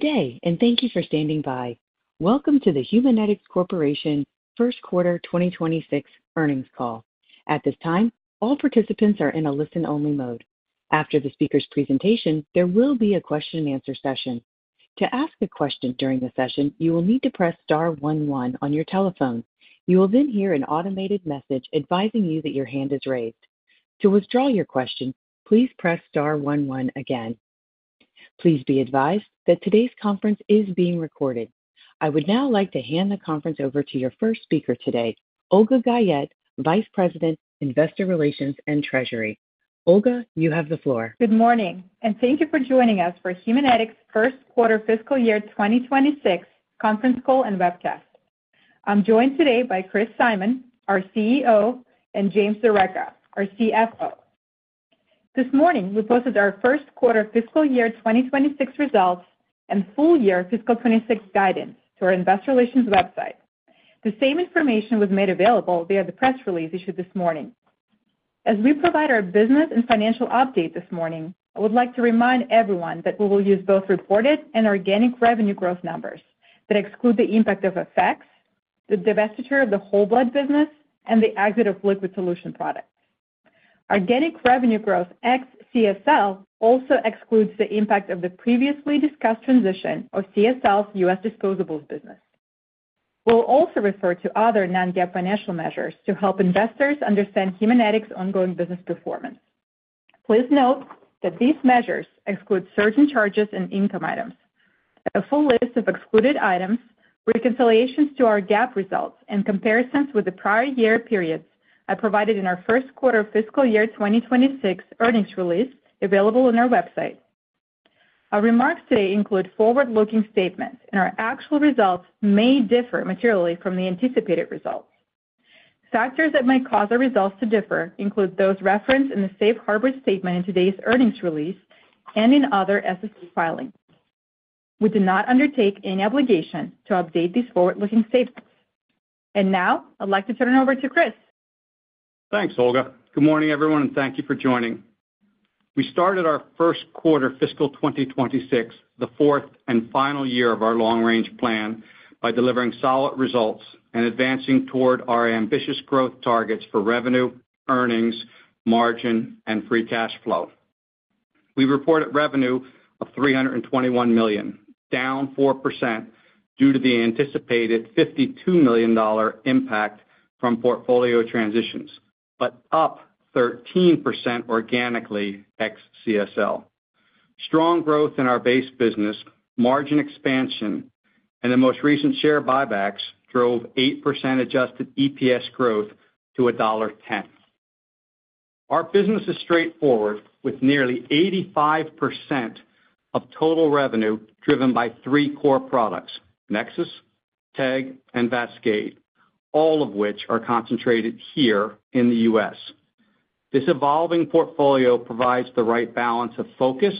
Day and thank you for standing by. Welcome to the Haemonetics Corporation First Quarter 2026 Earnings Call. At this time all participants are in a listen-only mode. After the speaker's presentation, there will be a question and answer session. To ask a question during the session, you will need to press star 11 on your telephone. You will then hear an automated message advising you that your hand is raised. To withdraw your question, please press star 11 again. Please be advised that today's conference is being recorded. I would now like to hand the conference over to your first speaker today, Olga Guyette, Vice President, Investor Relations and Treasury. Olga, you have the floor. Good morning and thank you for joining us for Haemonetics first quarter fiscal year 2026 conference call and webcast. I'm joined today by Chris Simon, our CEO, and James D’Arecca, our CFO. This morning we posted our first quarter fiscal year 2026 results and full year fiscal 2026 guidance to our Investor Relations website. The same information was made available via the press release issued this morning. As we provide our business and financial update this morning, I would like to remind everyone that we will use both reported and organic revenue growth numbers that exclude the impact of FX, the divestiture of the Whole Blood business, and the exit of liquid solution products. Organic revenue growth ex-CSL also excludes the impact of the previously discussed transition of CSL's U.S. disposables business. We'll also refer to other non-GAAP financial measures to help investors understand Haemonetics ongoing business performance. Please note that these measures exclude certain charges and income items. A full list of excluded items, reconciliations to our GAAP results, and comparisons with the prior year periods are provided in our first quarter fiscal year 2026 earnings release available on our website. Our remarks today include forward-looking statements and our actual results may differ materially from the anticipated results. Factors that might cause our results to differ include those referenced in the Safe Harbor statement in today's earnings release and in other SEC filings. We do not undertake any obligation to update these forward looking statements and now I'd like to turn it over to Chris. Thanks, Olga. Good morning, everyone, and thank you for joining. We started our first quarter fiscal 2026, the fourth and final year of our long-range plan, by delivering solid results and advancing toward our ambitious growth targets for revenue, earnings, margin, and free cash flow. We reported revenue of $321 million, down 4% due to the anticipated $52 million impact from portfolio transitions, but up 13% organically ex-CSL. Strong growth in our base business, margin expansion, and the most recent share buybacks drove 8% adjusted EPS growth to $1.10. Our business is straightforward, with nearly 85% of total revenue driven by three core products, NexSys, TEG, and VASCADE, all of which are concentrated here in the U.S. This evolving portfolio provides the right balance of focus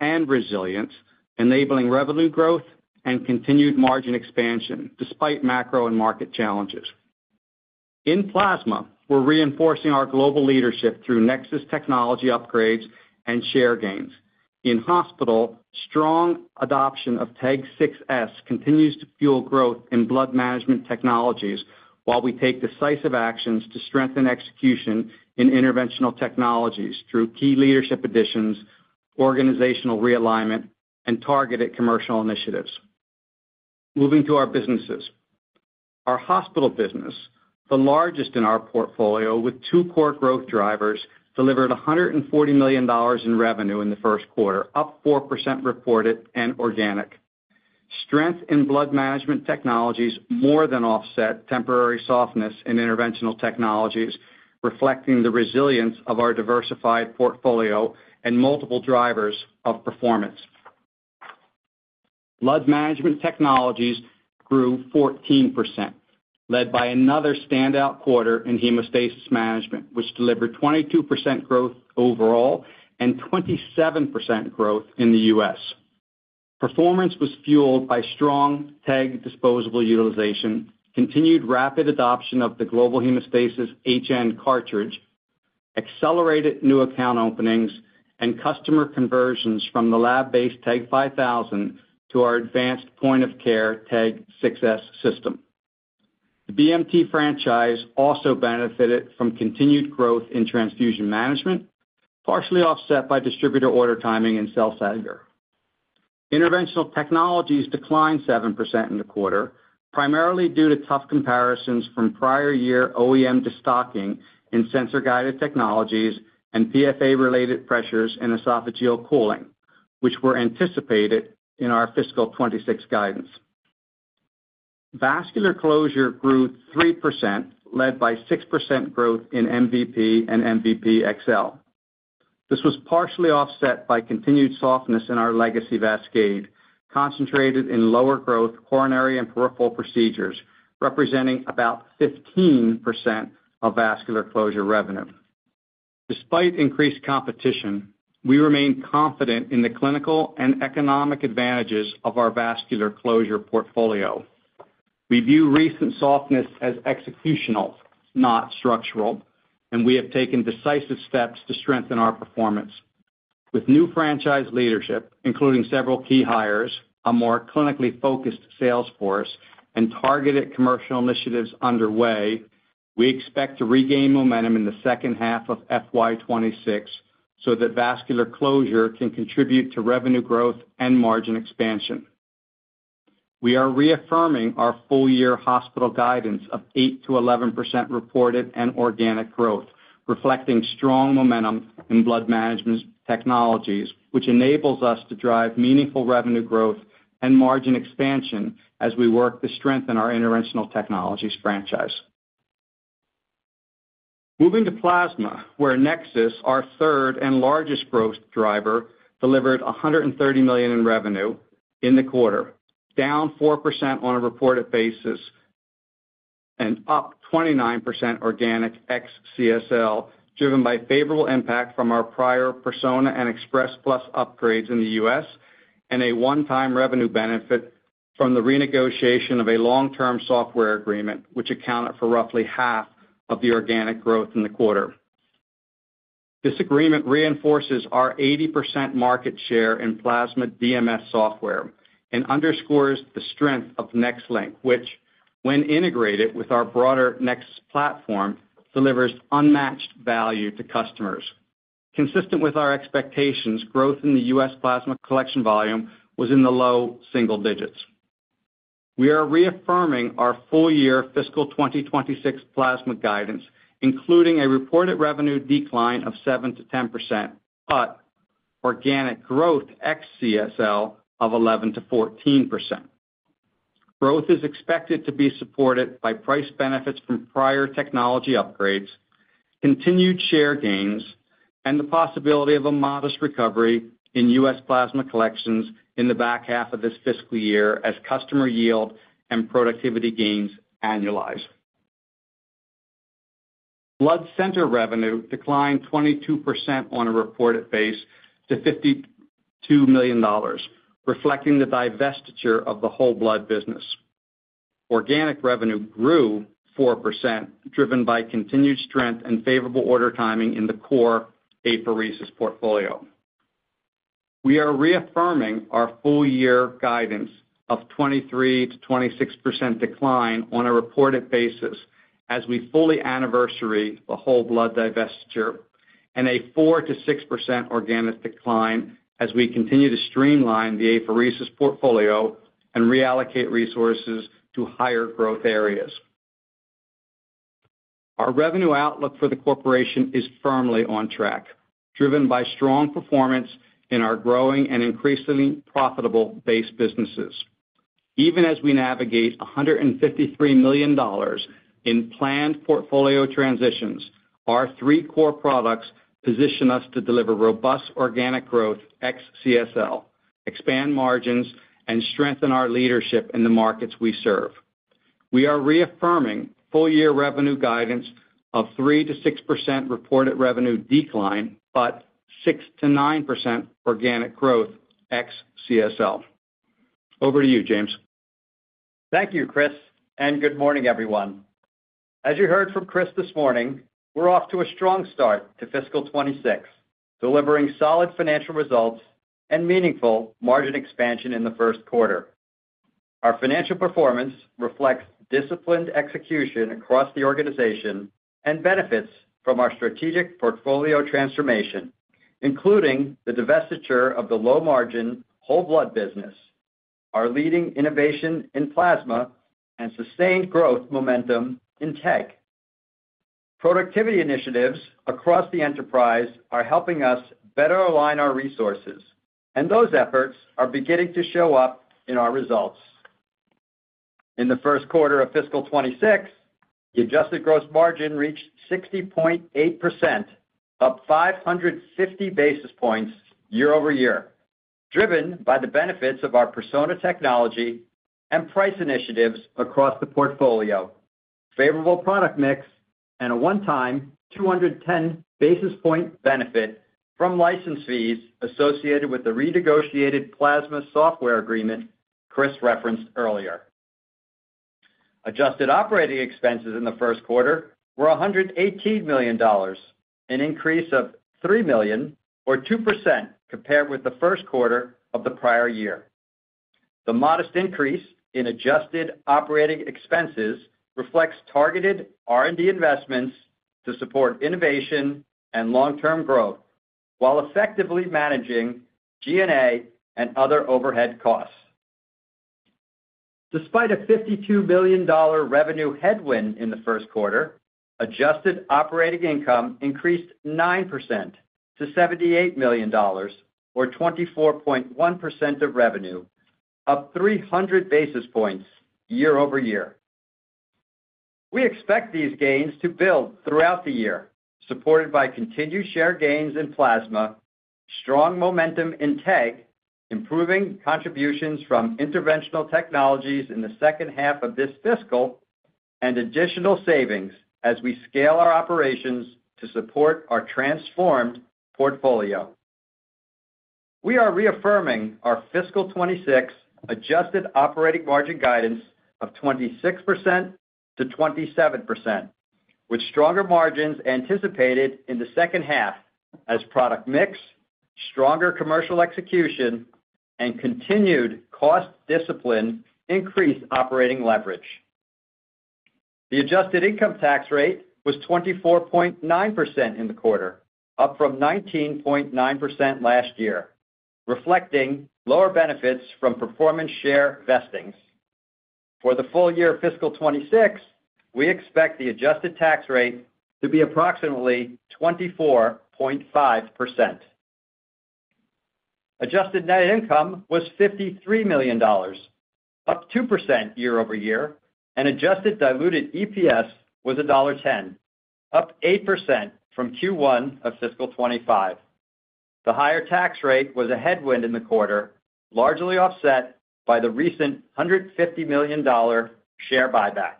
and resilience, enabling revenue growth and continued margin expansion despite macro and market challenges. In Plasma, we're reinforcing our global leadership through NexSys technology upgrades and share gains. In hospital, strong adoption of TEG 6s continues to fuel growth in Blood Management Technologies while we take decisive actions to strengthen execution in interventional technologies through key leadership additions, organizational realignment, and targeted commercial initiatives. Moving to our businesses, our hospital business, the largest in our portfolio with two core growth drivers, delivered $140 million in revenue in the first quarter, up 4% reported and organic. Strength in Blood Management Technologies more than offset temporary softness in interventional technologies, reflecting the resilience of our diversified portfolio and multiple drivers of performance. Blood Management Technologies grew 14%, led by another standout quarter in hemostasis management, which delivered 22% growth overall and 27% growth in the U.S. Performance was fueled by strong TEG disposable utilization. Continued rapid adoption of the global hemostasis HN cartridge accelerated new account openings and customer conversions from the lab-based TEG 5000 to our advanced point of care TEG 6s system. The BMT franchise also benefited from continued growth in transfusion management, partially offset by distributor order timing in Cell Saver. Interventional Technologies declined 7% in the quarter, primarily due to tough comparisons from prior year OEM destocking in sensor guided technologies and PFA-related pressures and esophageal cooling, which were anticipated in our fiscal 2026 guidance. Vascular Closure grew 3% led by 6% growth in MVP and MVP XL. This was partially offset by continued softness in our legacy VASCADE concentrated in lower growth coronary and peripheral procedures representing about 15% of Vascular Closure revenue. Despite increased competition, we remain confident in the clinical and economic advantages of our Vascular Closure portfolio. We view recent softness as executional, not structural, and we have taken decisive steps to strengthen our performance with new franchise leadership including several key hires, a more clinically focused sales force, and targeted commercial initiatives underway. We expect to regain momentum in the second half of FY 2026 so that Vascular Closure can contribute to revenue growth and margin expansion. We are reaffirming our full year hospital guidance of 8%-11% reported and organic growth reflecting strong momentum in Blood Management Technologies which enables us to drive meaningful revenue growth and margin expansion as we work to strengthen our interventional technologies franchise. Moving to Plasma where NexSys, our third and largest growth driver, delivered $130 million in revenue in the quarter, down 4% on a reported basis and up 29% organic ex-CSL driven by favorable impact from our prior Persona and Express Plus upgrades in the U.S. and a one-time revenue benefit from the renegotiation of a long-term software agreement which accounted for roughly half of the organic growth in the quarter. This agreement reinforces our 80% market share in Plasma DMS software and underscores the strength of NexLynk which, when integrated with our broader Nex platform, delivers unmatched value to customers. Consistent with our expectations, growth in the U.S. plasma collection volume was in the low single digits. We are reaffirming our full year fiscal 2026 plasma guidance including a reported revenue decline of 7%-10%, but organic growth ex-CSL of 11%-14% growth is expected to be supported by price benefits from price, prior technology upgrades, continued share gains, and the possibility of a modest recovery in U.S. plasma collections in the back half of this fiscal year as customer yield and productivity gains annualize. Blood Center revenue declined 22% on a reported base to $52 million reflecting the divestiture of the Whole Blood business. Organic revenue grew 4% driven by continued strength and favorable order timing in the core apheresis portfolio. We are reaffirming our full year guidance of 23% to 26% decline on a reported basis as we fully anniversary the Whole Blood divestiture and a 4%-6% organic decline as we continue to streamline the apheresis portfolio and reallocate resources to higher growth areas. Our revenue outlook for the corporation is firmly on track, driven by strong performance in our growing and increasingly profitable base businesses even as we navigate $153 million in planned portfolio transitions. Our three core products position us to deliver robust organic growth ex-CSL, expand margins and strengthen our leadership in the markets we serve. We are reaffirming full year revenue guidance of 3%-6% reported revenue decline but 6%-9% organic growth ex-CSL. Over to you, James. Thank you, Chris, and good morning, everyone. As you heard from Chris this morning, we're off to a strong start to fiscal 2026, delivering solid financial results and meaningful margin expansion in the first quarter. Our financial performance reflects disciplined execution across the organization and benefits from our strategic portfolio transformation, including the divestiture of the low margin Whole Blood business, our leading innovation in plasma, and sustained growth momentum in tech. Productivity initiatives across the enterprise are helping us better align our resources and those efforts are beginning to show up in our results. In the first quarter of fiscal 2026, the adjusted gross margin reached 60.8%, up 550 basis points year-over-year, driven by the benefits of our Persona technology and price initiatives across the portfolio, favorable product mix, and a one-time 210 basis point benefit from license fees associated with the renegotiated Plasma software agreement Chris referenced earlier. Adjusted operating expenses in the first quarter were $118 million, an increase of $3 million or 2% compared with the first quarter of the prior year. The modest increase in adjusted operating expenses reflects targeted R&D investments to support innovation and long-term growth while effectively managing G&A and other overhead costs. Despite a $52 million revenue headwind in the first quarter, adjusted operating income increased 9% to $78 million or 24.1% of revenue, up 300 basis points year-over-year. We expect these gains to build throughout the year, supported by continued share gains in Plasma, strong momentum in TEG, improving contributions from Interventional Technologies in the second half of this fiscal, and additional savings as we scale our operations to support our transformed portfolio. We are reaffirming our fiscal 2026 adjusted operating margin guidance of 26%-27% with stronger margins anticipated in the second half as product mix, stronger commercial execution, and continued cost discipline increase operating leverage. The adjusted income tax rate was 24.9% in the quarter, up from 19.9% last year, reflecting lower benefits from performance share vestings. For the full year fiscal 2026, we expect the adjusted tax rate to be approximately 24.5%. Adjusted net income was $53 million, up 2% year-over-year, and adjusted diluted EPS was $1.10, up 8% from Q1 of fiscal 2025. The higher tax rate was a headwind in the quarter, largely offset by the recent $150 million share buyback.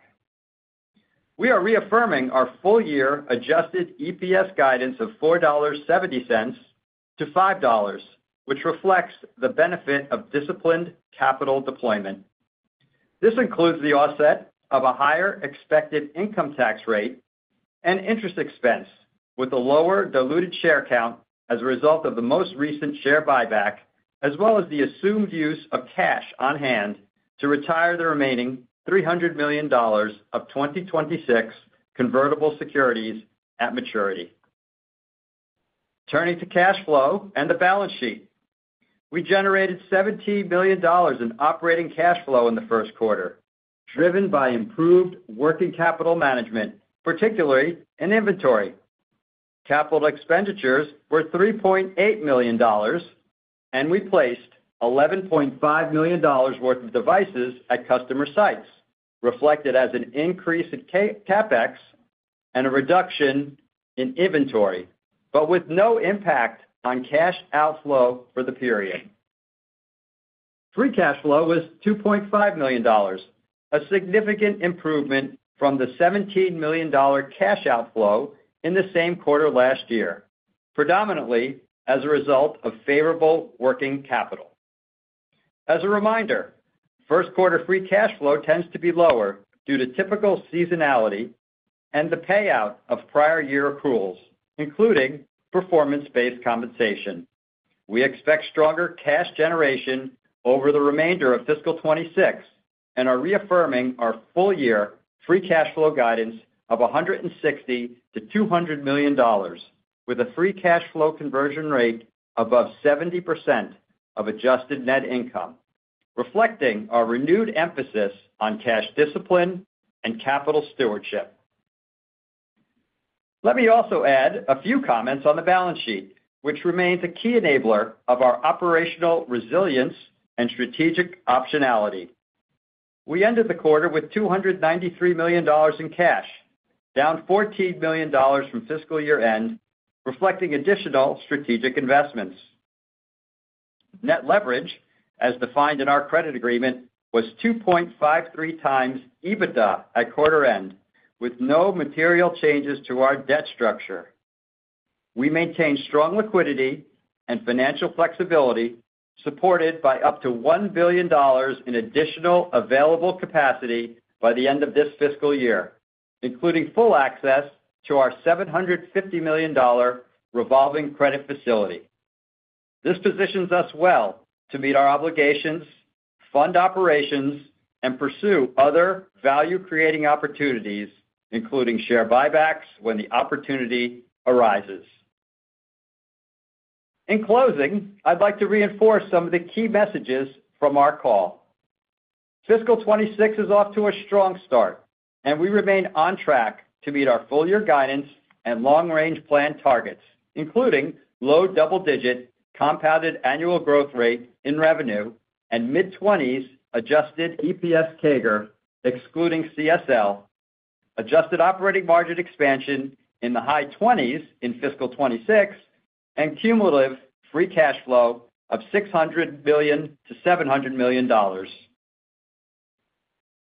We are reaffirming our full year adjusted EPS guidance of $4.70-$5.00, which reflects the benefit of disciplined capital deployment. This includes the offset of a higher expected income tax rate and interest expense with a lower diluted share count as a result of the most recent share buyback as well as the assumed use of cash on hand to retire the remaining $300 million of 2026 convertible securities at maturity. Turning to cash flow and the balance sheet, we generated $17 million in operating cash flow in the first quarter, driven by improved working capital management, particularly in inventory. Capital expenditures were $3.8 million and we placed $11.5 million worth of devices at customer sites, reflected as an increase in CapEx and a reduction in inventory but with no impact on cash outflow. For the period, free cash flow was $2.5 million, a significant improvement from the $17 million cash outflow in the same quarter last year, predominantly as a result of favorable working capital. As a reminder, first quarter free cash flow tends to be lower due to typical seasonality and the payout of prior year accruals including performance-based compensation. We expect stronger cash generation over the remainder of fiscal 2026 and are reaffirming our full year free cash flow guidance of $160 million-$200 million with a free cash flow conversion rate above 70% of adjusted net income, reflecting our renewed emphasis on cash discipline and capital stewardship. Let me also add a few comments on the balance sheet, which remains a key enabler of our operational resilience and strategic optionality. We ended the quarter with $293 million in cash, down $14 million from fiscal year end, reflecting additional strategic investments. Net leverage as defined in our credit agreement was 2.53x EBITDA at quarter end, with no material changes to our debt structure. We maintain strong liquidity and financial flexibility supported by up to $1 billion in additional available capacity by the end of this fiscal year, including full access to our $750 million revolving credit facility. This positions us well to meet our obligations, fund operations, and pursue other value-creating opportunities, including share buybacks when the opportunity arises. In closing, I'd like to reinforce some of the key messages from our call. Fiscal 2026 is off to a strong start, and we remain on track to meet our full year guidance and long range plan targets, including low double-digit compounded annual growth rate in revenue and mid-20s adjusted EPS CAGR excluding CSL, adjusted operating margin expansion in the high 20s in fiscal 2026, and cumulative free cash flow of $600 million-$700 million.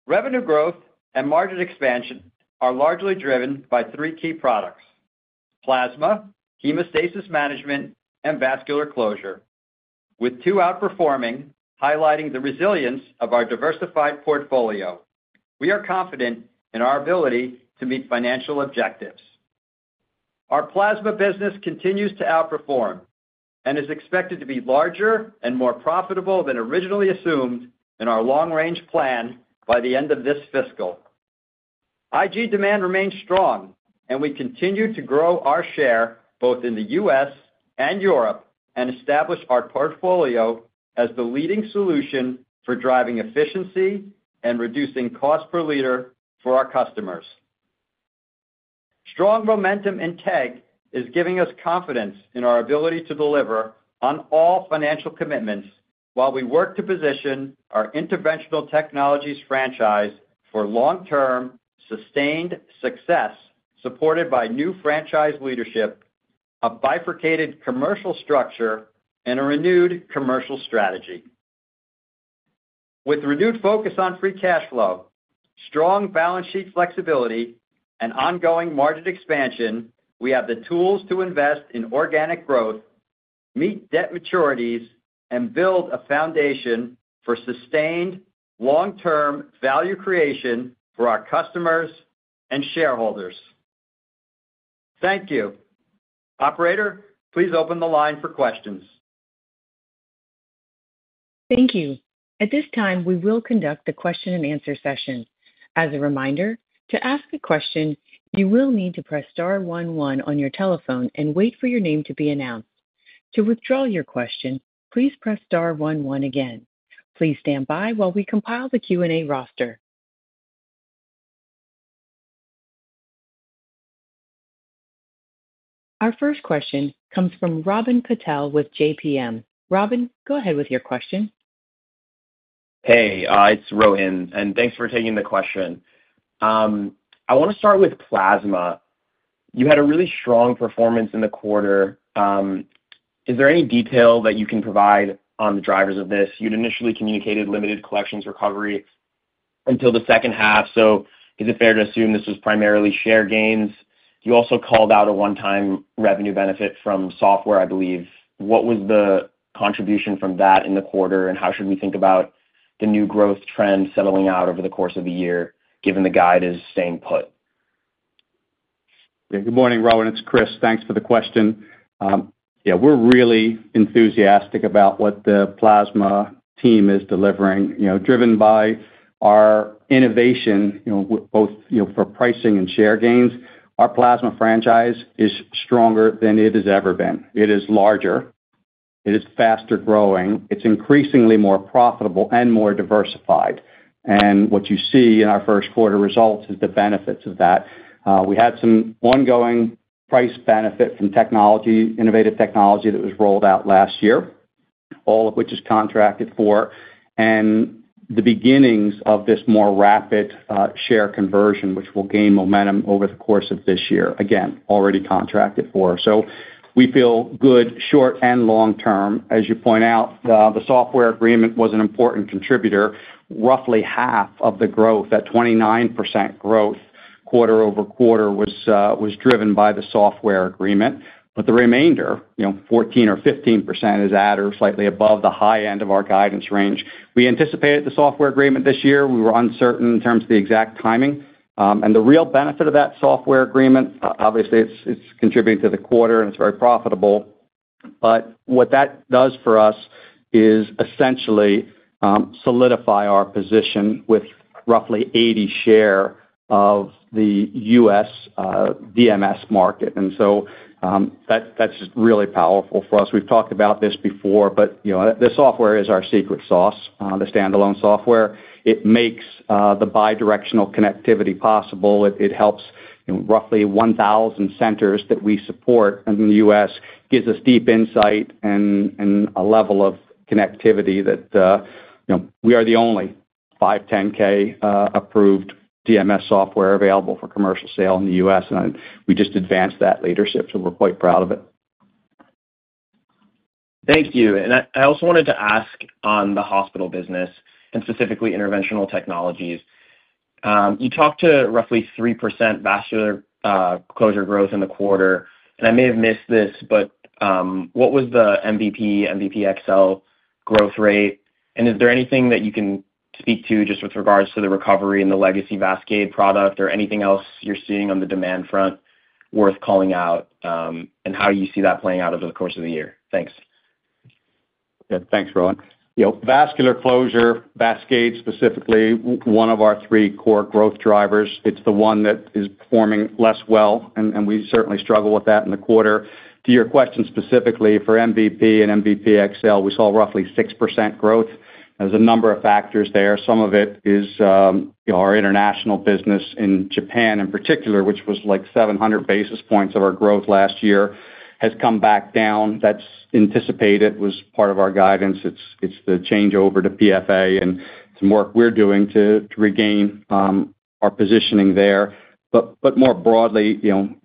Revenue growth and margin expansion are largely driven by three key areas: Plasma, hemostasis management, and Vascular Closure, with two outperforming, highlighting the resilience of our diversified portfolio. We are confident in our ability to meet financial objectives. Our plasma business continues to outperform and is expected to be larger and more profitable than originally assumed in our long range plan by the end of this fiscal year. Demand remains strong, and we continue to grow our share both in the U.S. and Europe and establish our portfolio as the leading solution for driving efficiency and reducing cost per liter for our customers. Strong momentum in TEG is giving us confidence in our ability to deliver on all financial commitments while we work to position our Interventional Technologies franchise for long-term sustained success, supported by new franchise leadership, a bifurcated commercial structure, and a renewed commercial strategy. With renewed focus on free cash flow, strong balance sheet flexibility, and ongoing margin expansion, we have the tools to invest in organic growth, meet debt maturities, and build a foundation for sustained long-term value creation for our customers and shareholders. Thank you, operator. Please open the line for questions. Thank you. At this time, we will conduct the question and answer session. As a reminder, to ask a question, you will need to press star one one on your telephone and wait for your name to be announced. To withdraw your question, please press Star one one again. Please stand by while we compile the Q&A roster. Our first question comes from Rohn Patel with JPM. Rohin, go ahead with your question. Hey, it's Rohin and thanks for taking the question. I want to start with plasma. You had a really strong performance in the quarter. Is there any detail that you can provide on the drivers of this? You'd initially communicated limited collections recovery until the second half, so is it fair to assume this was primarily share gains? You also called out a one time revenue benefit from software, I believe. What was the contribution from that in the quarter and how should we think about the new growth trend settling out over the course of the year given the guide is staying put. Good morning Rohin, it's Chris. Thanks for the question. Yeah, we're really enthusiastic about what the plasma team is delivering, driven by our innovation both for pricing and share gains. Our plasma franchise is stronger than it has ever been. It is larger, it is faster growing, it's increasingly more profitable and more diversified. What you see in our first quarter results is the benefits of that. We had some ongoing price benefit from technology, innovative technology that was rolled out last year, all of which is contracted for and the beginnings of this more rapid share conversion which will gain momentum over the course of this year, already contracted for. We feel good short and long term. As you point out, the software agreement was an important contributor. Roughly half of the growth, that 29% growth quarter-over-quarter, was driven by the software agreement. The remainder, 14% or 15%, is at or slightly above the high end of our guidance range. We anticipated the software agreement this year. We were uncertain in terms of the exact timing and the real benefit of that software agreement. Obviously it's contributing to the quarter and it's very profitable. What that does for us is essentially solidify our position with roughly 80% share of the U.S. DMS market. That's just really powerful for us. We've talked about this before, but the software is our secret sauce. The standalone software makes the bidirectional connectivity possible. It helps roughly 1,000 centers that we support in the U.S., gives us deep insight and a level of connectivity that, you know, we are the only 510(k) approved DMS software available for commercial sale in the U.S. and we just advanced that leadership. We're quite proud of it. Thank you. I also wanted to ask, on the hospital business and specifically Interventional Technologies, you talked to roughly 3% Vascular Closure growth in the quarter. I may have missed this, but what was the MVP, MVP XL growth rate and is there anything that you can speak to just with regards to the recovery in the legacy VASCADE product or anything else you're seeing on the demand front worth calling out and how you see that playing out over the course of the year. Thanks. Thanks, Rohin. You know, Vascular Closure VASCADE specifically, one of our three core growth drivers, it's the one that is performing less well and we certainly struggle with that in the quarter. To your question specifically, for MVP and MVP XL, we saw roughly 6% growth. There's a number of factors there. Some of it is our international business in Japan in particular, which was like 700 basis points of our growth last year, has come back down. That's anticipated, was part of our guidance. It's the change over to PFA and some work we're doing to regain our positioning there. More broadly,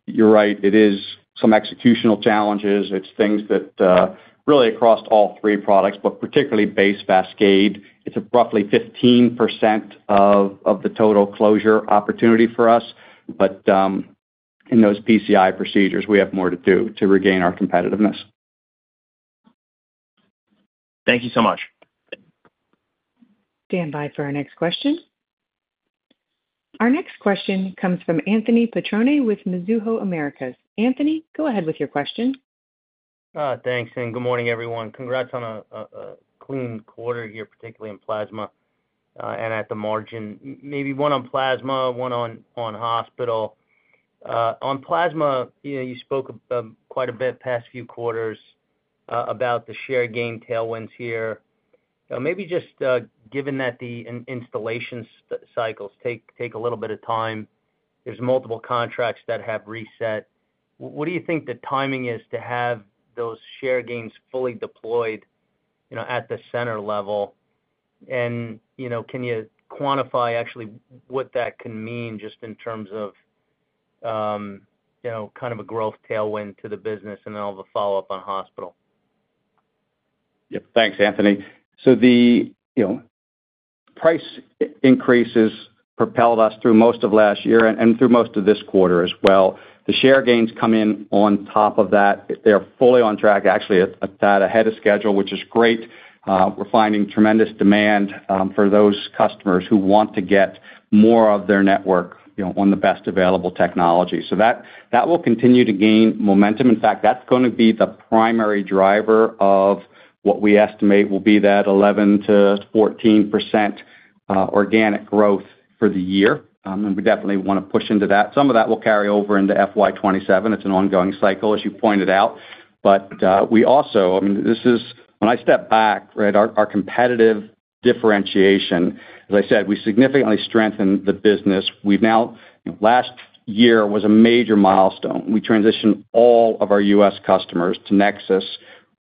you're right, it is some executional challenges. It's things that really across all three products, but particularly base VASCADE, it's roughly 15% of the total closure opportunity for us. In those PCI procedures, we have more to do to regain our competitiveness. Thank you so much. Stand by for our next question. Our next question comes from Anthony Petrone with Mizuho Americas. Anthony, go ahead with your question. Thanks and good morning everyone. Congrats on a clean quarter here, particularly in plasma and at the margin, maybe one on plasma, one on hospital, on plasma. You spoke quite a bit past few quarters about the share gain tailwinds here. Maybe just given that the installation cycles take a little bit of time, there's multiple contracts that have reset. What do you think the timing is to have those share gains fully deployed at the center level? Can you quantify actually what that can mean just in terms of kind of a growth tailwind to the business and then I'll follow up on hospital. Yep. Thanks, Anthony. The price increases propelled us through most of last year and through most of this quarter as well. The share gains come in on top of that. They're fully on track, actually ahead of schedule, which is great. We're finding tremendous demand for those customers who want to get more of their network on the best available technology. That will continue to gain momentum. In fact, that's going to be the primary driver of what we estimate will be that 11%-14% organic growth for the year. We definitely want to push into that. Some of that will carry over into FY 2027. It's an ongoing cycle as you pointed out. When I step back, our competitive differentiation, as I said, we significantly strengthened the business. Last year was a major milestone. We transitioned all of our U.S. customers to NexSys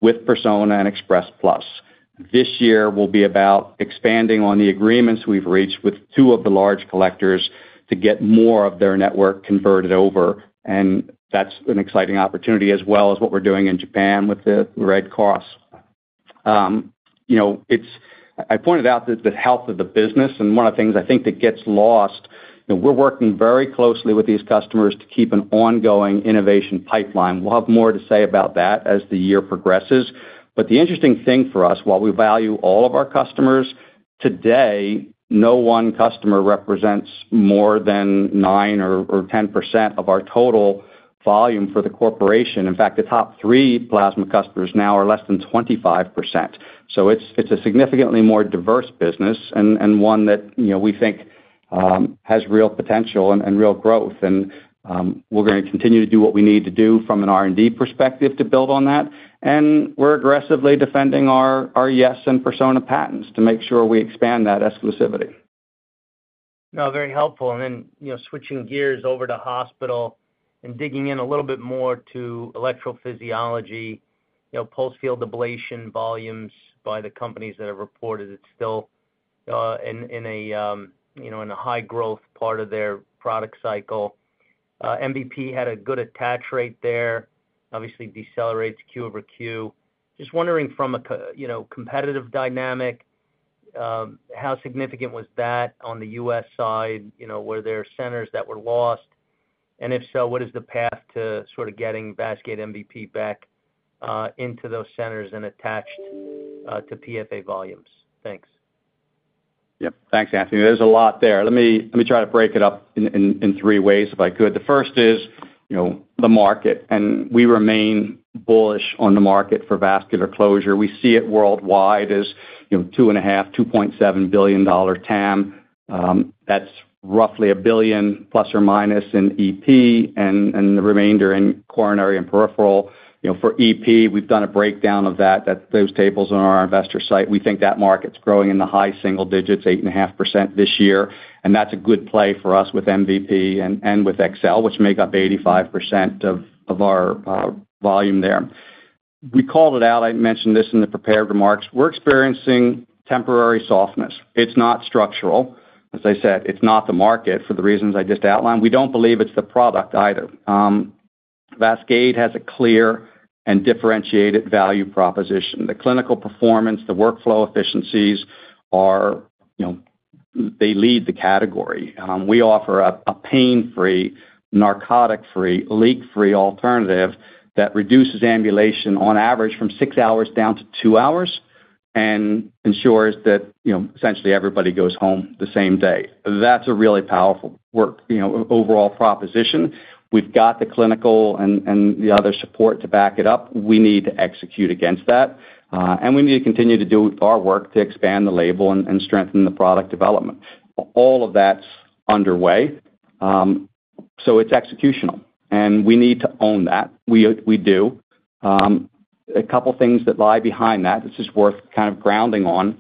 with Persona and Express Plus. This year will be about expanding on the agreements we've reached with two of the large collectors to get more of their network converted over. That's an exciting opportunity as well as what we're doing in Japan with the Red Cross. I pointed out the health of the business and one of the things I think that gets lost. We're working very closely with these customers to keep an ongoing innovation pipeline. We'll have more to say about that as the year progresses. The interesting thing for us, while we value all of our customers today, no one customer represents more than 9% or 10% of our total volume for the corporation. In fact, the top three Plasma customers now are less than 25%. It's a significantly more diverse business and one that we think has real potential and real growth. We're going to continue to do what we need to do from an R&D perspective to build on that. We're aggressively defending our yes. Persona patents to make sure we expand that exclusivity. No, very helpful. Switching gears over to hospital and digging in a little bit more to electrophysiology. Pulse field ablation volumes by the companies that have reported, it's still in a high growth part of their product cycle. MVP had a good attach rate there, obviously decelerates Q over Q. Just wondering from a competitive dynamic, how significant was that on the U.S. side? Were there centers that were lost and if so, what is the path to sort of getting VASCADE MVP back into those centers and attached to PFA volumes? Thanks. Yeah, thanks. Anthony, there's a lot there. Let me try to break it up in three ways if I could. The first is the market. We remain bullish on the market for Vascular Closure. We see it worldwide as $2.5 billion, $2.7 billion TAM. That's roughly $1 billion± in EP and the remainder in coronary and peripheral. For EP, we've done a breakdown of that, those tables on our investor site. We think that market's growing in the high single digits, 8.5% this year. That's a good play for us with MVP and with XL, which make up 85% of our volume there. We called it out. I mentioned this in the prepared remarks. We're experiencing temporary softness. It's not structural, as I said, it's not the market. For the reasons I just outlined, we don't believe it's the product either. VASCADE has a clear and differentiated value proposition. The clinical performance, the workflow efficiencies, all are, they lead the category. We offer a pain free, narcotic free, leak free alternative that reduces ambulation on average from 6 hours down to 2 hours and ensures that essentially everybody goes home the same day. That's a really powerful overall proposition. We've got the clinical and the other support to back it up. We need to execute against that and we need to continue to do our work to expand the label and strengthen the product development. All of that's underway. It's executional and we need to own that. We do a couple things that lie behind that. This is worth kind of grounding on.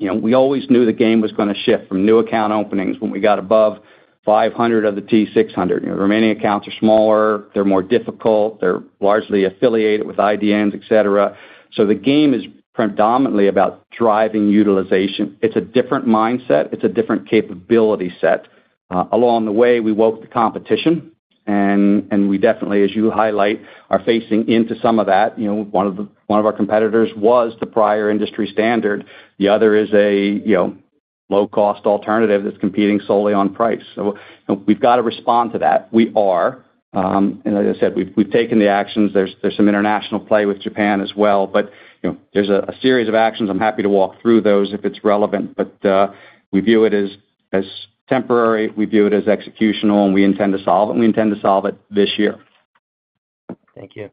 We always knew the game was going to shift from new account openings when we got above 500 of the T600. Remaining accounts are smaller, they're more difficult, they're largely affiliated with IDNs, etc. The game is predominantly about driving utilization. It's a different mindset, it's a different capability set. Along the way we woke the competition, and we definitely, as you highlight, are facing into some of that. One of our competitors was the prior industry standard. The other is a low cost alternative that's competing solely on price. We've got to respond to that. We are, and as I said, we've taken the actions. There's some international play with Japan as well, but there's a series of actions. I'm happy to walk through those if it's relevant, but we view it as temporary, we view it as executional. We intend to solve it. We intend to solve it this year. Thank you.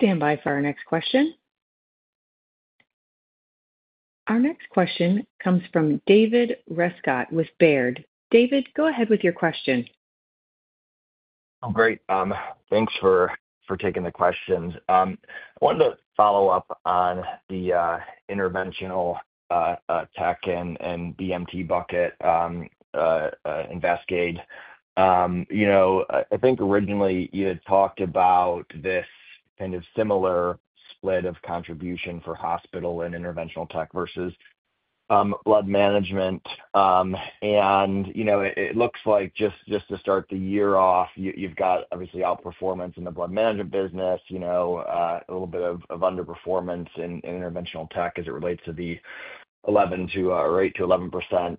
Stand by for our next question. Our next question comes from David Rescott with Baird. David, go ahead with your question. Oh, great. Thanks for taking the questions. I wanted to follow up on the interventional tech and BMT bucket. You know, I think originally you had talked about this kind of similar lead of contribution for hospital and interventional tech versus blood management. It looks like just to start the year off, you've got obviously outperformance in the blood management business, a little bit of underperformance in interventional tech as it relates to the 8%-11%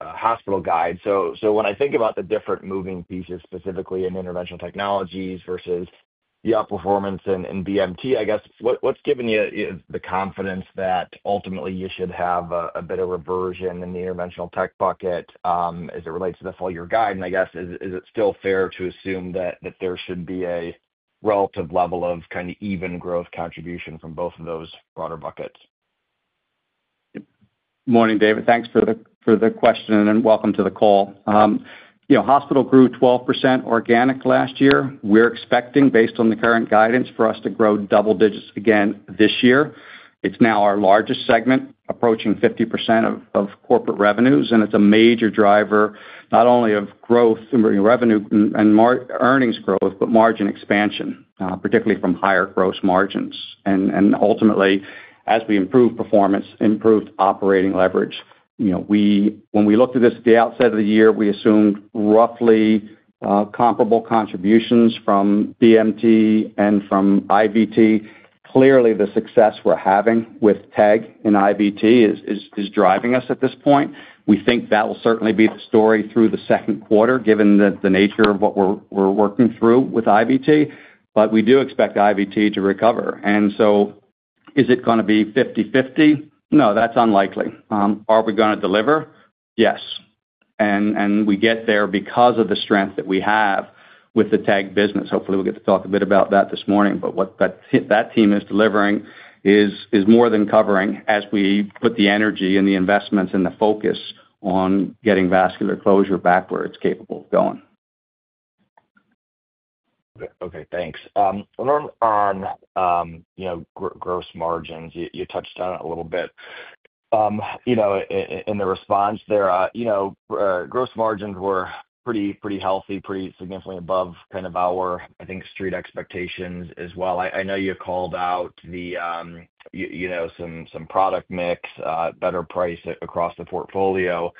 hospital guide. When I think about the different moving pieces, specifically in Interventional Technologies versus the outperformance in BMT, I guess what's given you the confidence that ultimately you should have a bit of reversion in the interventional tech bucket as it relates to the full year guide? Is it still fair to assume that there should be a relative level of kind of even growth contribution from both of those broader buckets? Morning, David. Thanks for the question and welcome to the call. Hospital grew 12% organic last year. We're expecting, based on the current guidance, for us to grow double digits again this year. It's now our largest segment, approaching 50% of corporate revenues. It's a major driver not only of growth revenue and earnings growth, but margin expansion, particularly from higher gross margins and ultimately, as we improve performance, improved operating leverage. When we looked at this at the outset of the year, we assumed roughly comparable contributions from BMT and from IVT. Clearly, the success we're having with TEG in IVT is driving us at this point. We think that will certainly be the story through the second quarter given the nature of what we're working through with IVT. We do expect IVT to recover. Is it going to be 50/50? No, that's unlikely. Are we going to deliver? Yes. We get there because of the strength that we have with the TEG business. Hopefully we'll get to talk a bit about that this morning. What that team is delivering is more than covering as we put the energy and the investments and the focus on getting Vascular Closure back where it's capable of going. Okay, thanks. On gross margins, you touched on it a little bit. In the response there, gross margins were pretty healthy, pretty significantly above kind of our, I think, street expectations as well. I know you called out some product mix, better price across the portfolio,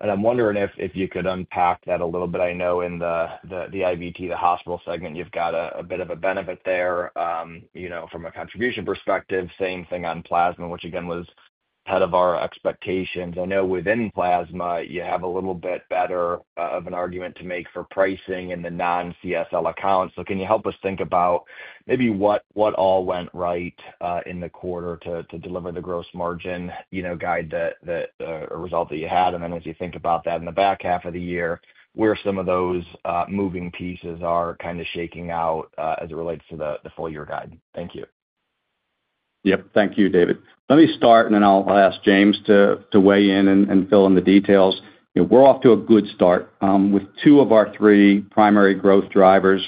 and I'm wondering if you could unpack that a little bit. I know in the IVT, the hospital segment, you've got a bit of a benefit there from a contribution perspective. Same thing on Plasma, which again was ahead of our expectations. I know within Plasma you have a little bit better of an argument to make for pricing in the non-CSL accounts. Can you help us think about maybe what all went right in the quarter to deliver the gross margin guide or result that you had, and then as you think about that in the back half of the year where some of those moving pieces are kind of shaking out as it relates to the full year guidelines? Thank you. Yep, thank you, David. Let me start and then I'll ask James to weigh in and fill in the details. We're off to a good start with two of our three primary growth drivers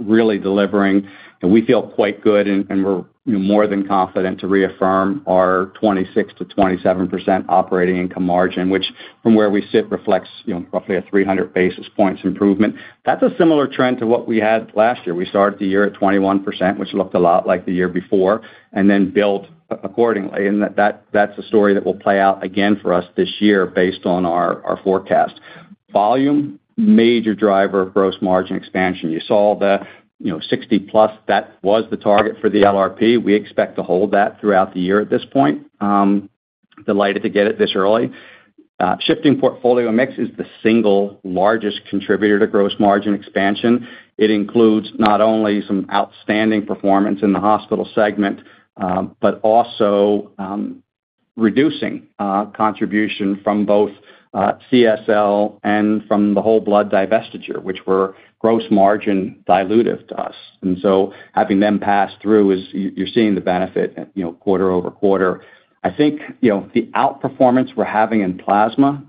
really delivering, and we feel quite good and we're more than confident to reaffirm our 26%-27% operating income margin, which from where we sit reflects roughly a 300 basis points improvement. That's a similar trend to what we had last year. We started the year at 21%, which looked a lot like the year before, and then built accordingly. That's a story that will play out again for us this year based on our forecast volume. Major driver of gross margin expansion, you saw the 60+ that was the target for the LRP. We expect to hold that throughout the year at this point. Delighted to get it this early. Shifting portfolio mix is the single largest contributor to gross margin expansion. It includes not only some outstanding performance in the hospital segment, but also reducing contribution from both CSL and from the Whole Blood business divestiture, which were gross margin dilutive to us. Having them pass through is, you're seeing the benefit quarter-over-quarter. I think the outperformance we're having in Plasma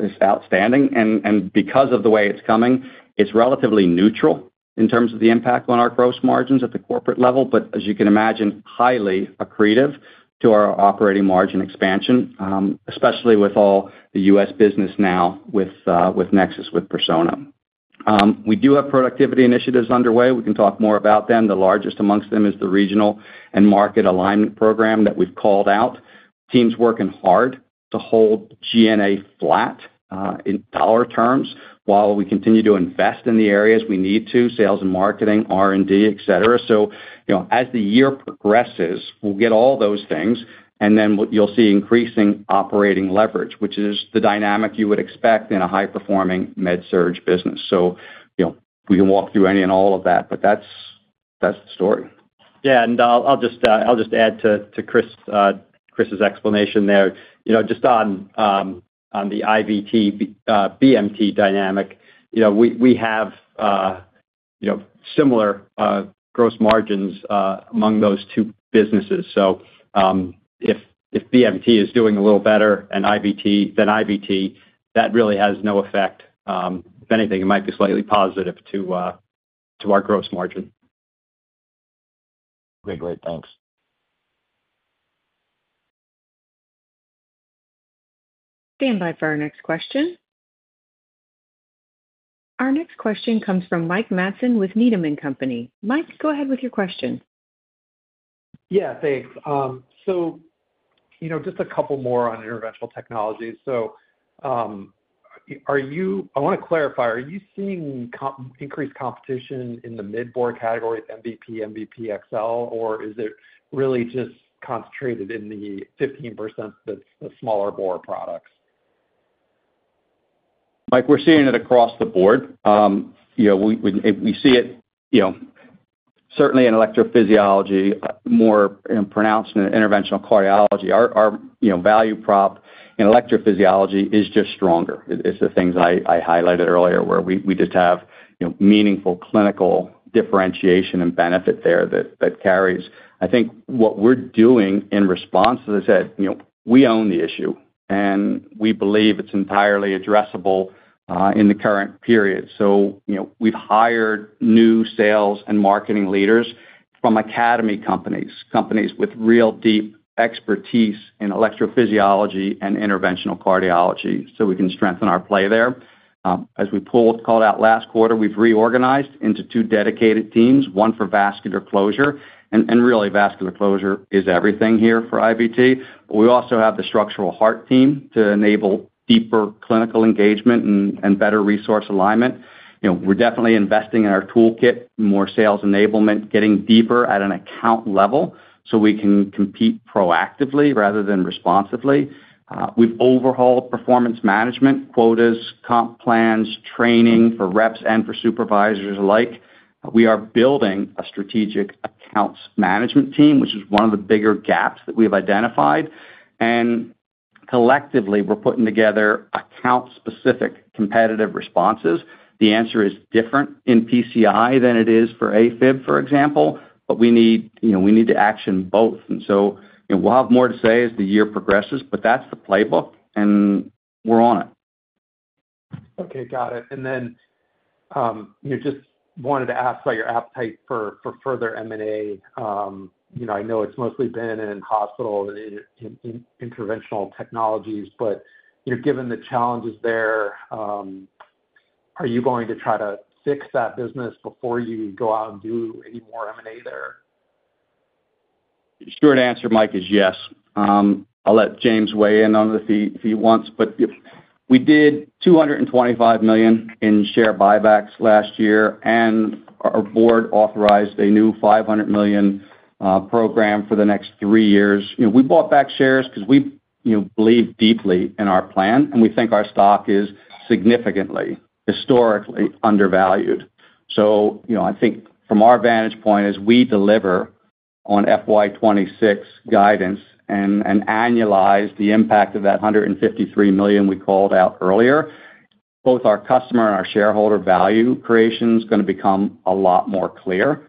is outstanding, and because of the way it's coming, it's relatively neutral in terms of the impact on our gross margins at the corporate level. As you can imagine, highly accretive to our operating margin expansion, especially with all the U.S. business now with NexSys with Persona. We do have productivity initiatives underway. We can talk more about them. The largest amongst them is the regional and market alignment program that we've called out. Teams working hard to hold G&A flat in dollar terms while we continue to invest in the areas we need to, sales and marketing, R&D, et cetera. As the year progresses, we'll get all those things and then you'll see increasing operating leverage, which is the dynamic you would expect in a high performing med surg business. We can walk through any and all of that, but that's the story. I'll just add to Chris Simon's explanation there. Just on the IVT, BMT dynamic, we have similar gross margins among those two businesses. If BMT is doing a little better than IVT, that really has no effect. If anything, it might be slightly positive to our gross margin. Okay, great, thanks. Stand by for our next question. Our next question comes from Mike Matson with Needham & Company. Mike, go ahead with your question. Yeah, thanks. Just a couple more on interventional technologies. Are you, I want to clarify, are you seeing increased competition in the mid bore category, MVP, MVP XL, or is it really just concentrated in the 15% of the smaller bore products? Mike, we're seeing it across the board. We see it certainly in electrophysiology, more pronounced in interventional cardiology. Our value prop in electrophysiology is just stronger. It's the things I highlighted earlier where we just have meaningful clinical differentiation and benefit there that carries. I think what we're doing in response, as I said, we own the issue and we believe it's entirely addressable in the current period. We've hired new sales and marketing leaders from academy companies, companies with real deep expertise in electrophysiology and interventional cardiology so we can strengthen our play there. As we called out last quarter, we've reorganized into two dedicated teams, one for Vascular Closure. Really, Vascular Closure is everything here for IVT. We also have the structural heart team to enable deeper clinical engagement and better resource alignment. We're definitely investing in our toolkit, more sales enablement, getting deeper at an account level so we can compete proactively rather than responsively. We've overhauled performance management, quotas, comp plans, training for reps and for supervisors alike. We are building a strategic accounts management team, which is one of the bigger gaps that we've identified. Collectively, we're putting together account specific competitive responses. The answer is different in PCI than it is for AFib, for example, but we need to action both and we'll have more to say as the year progresses. That's the playbook and we're on it. Okay, got it. I just wanted to ask about your appetite for further M&A. I know it's mostly been in hospital interventional technologies, but given the challenges there, are you going to try to fix that business before you go out and do any more M&A? The short answer, Mike, is yes. I'll let James weigh in on the feet if he wants. We did $225 million in share buybacks last year and our board authorized a new $500 million program for the next three years. We bought back shares because we believe deeply in our plan and we think our stock is significantly historically undervalued. I think from our vantage point as we deliver on FY 2026 guidance and annualize the impact of that $153 million we called out earlier, both our customer and our shareholder value creation is going to become a lot more clear.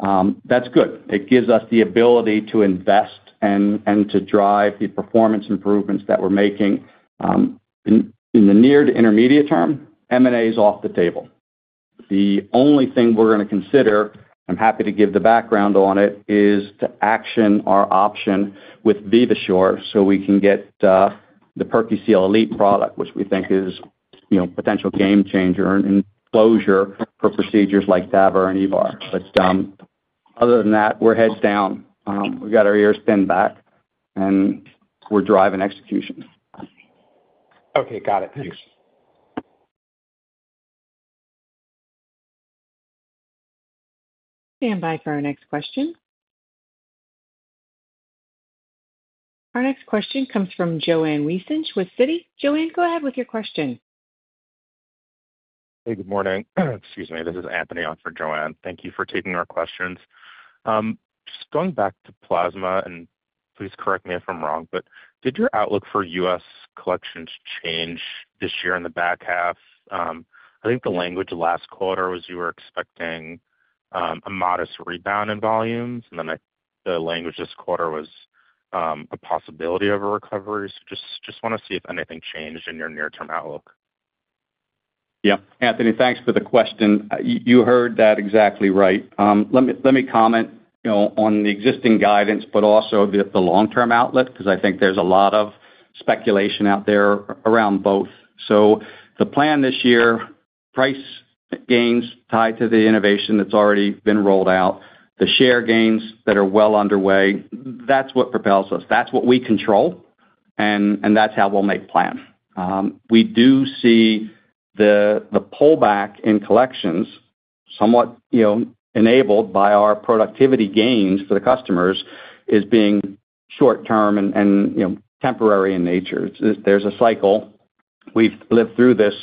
That's good. It gives us the ability to invest and to drive the performance improvements that we're making in the near to intermediate term. M&A is off the table. The only thing we're going to consider, I'm happy to give the background on it, is to action our option with Vivasure so we can get the PerQseal Elite product, which we think is, you know, a potential game changer in closure for procedures like TAVR and EVAR. Other than that, we're heads down, we've got our ears pinned back, and we're driving execution. Okay, got it, thanks. Stand by for our next question. Our next question comes from Joanne Weissensch with Citi. Joanne, go ahead with your question. Hey, good morning, excuse me, this is Anthony on for Joanne. Thank you for taking our questions. Going back to Plasma, and please correct me if I'm wrong, but did your outlook for U.S. collections change this year in the back half? I think the language last quarter was you were expecting a modest rebound in volumes, and then the language this quarter was a possibility of a recovery. Just want to see if anything changed in your near-term outlook. Yep, Anthony, thanks for the question. You heard that exactly right. Let me comment on the existing guidance but also the long term outlook because I think there's a lot of speculation out there around both. The plan this year, price gains tied to the innovation that's already been rolled out, the share gains that are well underway, that's what propels us, that's what we control, and that's how we'll make plan. We do see the pullback in collections somewhat enabled by our productivity gains for the customers as being short term and temporary in nature. There's a cycle. We've lived through this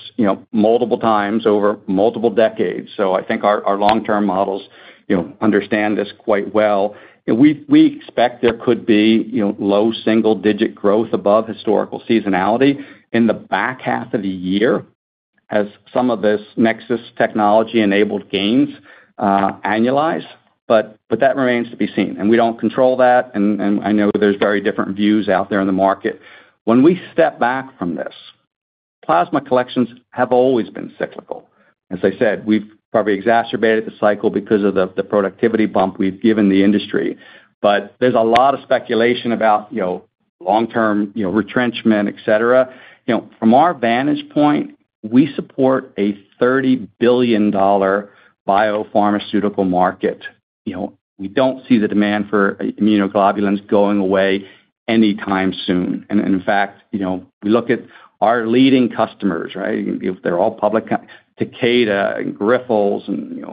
multiple times over multiple decades. I think our long term models understand this quite well. We expect there could be low single digit growth above historical seasonality in the back half of the year as some of this NexSys technology enabled gains annualize. That remains to be seen, and we don't control that. I know there's very different views out there in the market when we step back from this. Plasma collections have always been cyclical. As I said, we've probably exacerbated the cycle because of the productivity bump we've given the industry. There's a lot of speculation about long term retrenchment, et cetera. From our vantage point, we support a $30 billion biopharmaceutical market. We don't see the demand for immunoglobulins going away anytime soon. In fact, we look at our leading customers, right? If they're all public, Takeda and Grifols and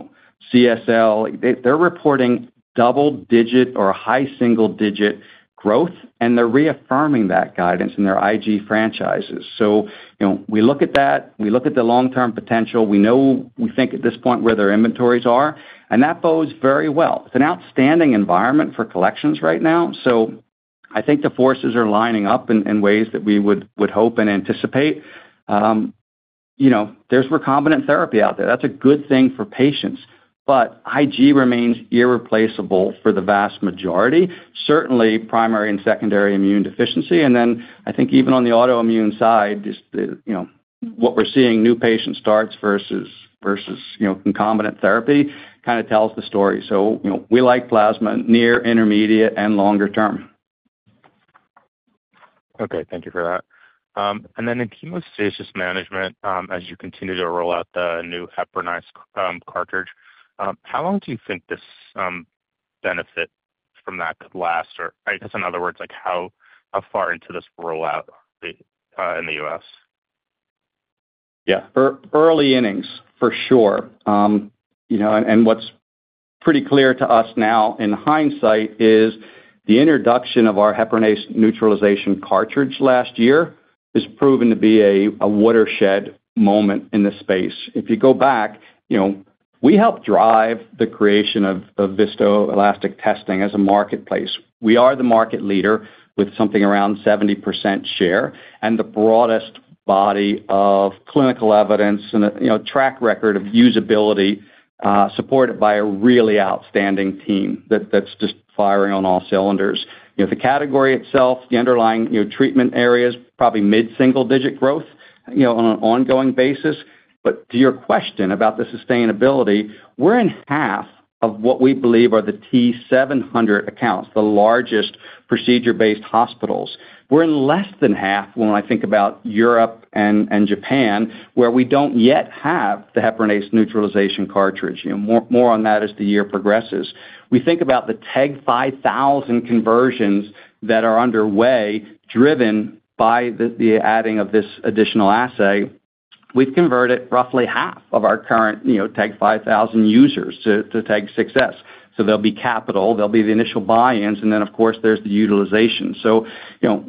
CSL, they're reporting double-digit or high single-digit growth, and they're reaffirming that guidance in their IG franchises. We look at that, we look at the long term potential. We know, we think at this point where their inventories are, and that bodes very well. It's an outstanding environment for collections right now. I think the forces are lining up in ways that we would hope and anticipate. There's recombinant therapy out there, that's a good thing for patients. IG remains irreplaceable for the vast majority, certainly primary and secondary immune deficiency and I think even on the autoimmune side, just you know what we're seeing. New patient starts versus concomitant therapy kind of tells the story. We like Plasma near intermediate and longer term. Thank you for that. In hemostasis management, as you continue to roll out the new heparinase cartridge, how long do you think this benefit from that lasts? Or I guess in other words, how far into this rollout in the U.S.? Early innings for sure. What's pretty clear to us now in hindsight is the introduction of our heparinase neutralization cartridge last year has proven to be a watershed moment in the space. If you go back, we help drive the creation of viscoelastic testing as a marketplace. We are the market leader with something around 70% share and the broadest body of clinical evidence and track record of usability supported by a really outstanding team that's just firing on all cylinders. The category itself, the underlying treatment areas, probably mid single digit growth on an ongoing basis. To your question about the sustainability, we're in half of what we believe are the T700 accounts, the largest procedure-based hospitals, we're in less than half. When I think about Europe and Japan where we don't yet have the heparinase neutralization cartridge. More on that as the year progresses. We think about the TEG 5000 conversions that are underway driven by the adding of this additional assay. We've converted roughly half of our current TEG 5000 users to TEG 6s. There'll be capital, there'll be the initial buy-ins and then of course there's the utilization.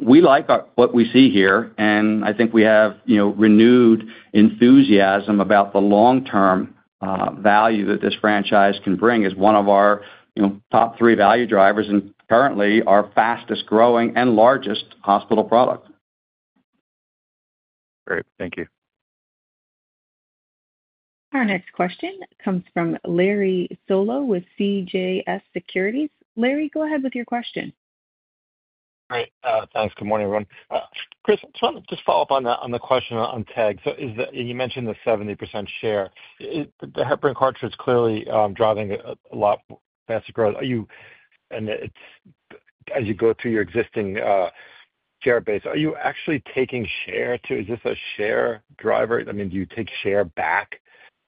We like what we see here and I think we have renewed enthusiasm about the long-term value that this franchise can bring as one of our top three value drivers and currently our fastest growing and largest hospital product. Great, thank you. Our next question comes from Larry Solow with CJS Securities. Larry, go ahead with your question. Great, thanks. Good morning everyone. Chris, just follow up on the question on TEG. You mentioned the 70% share, the heparin cartridge clearly driving a lot faster growth. Are you, as you go through your existing share base, are you actually taking share too? Is this a share driver? Do you take share back?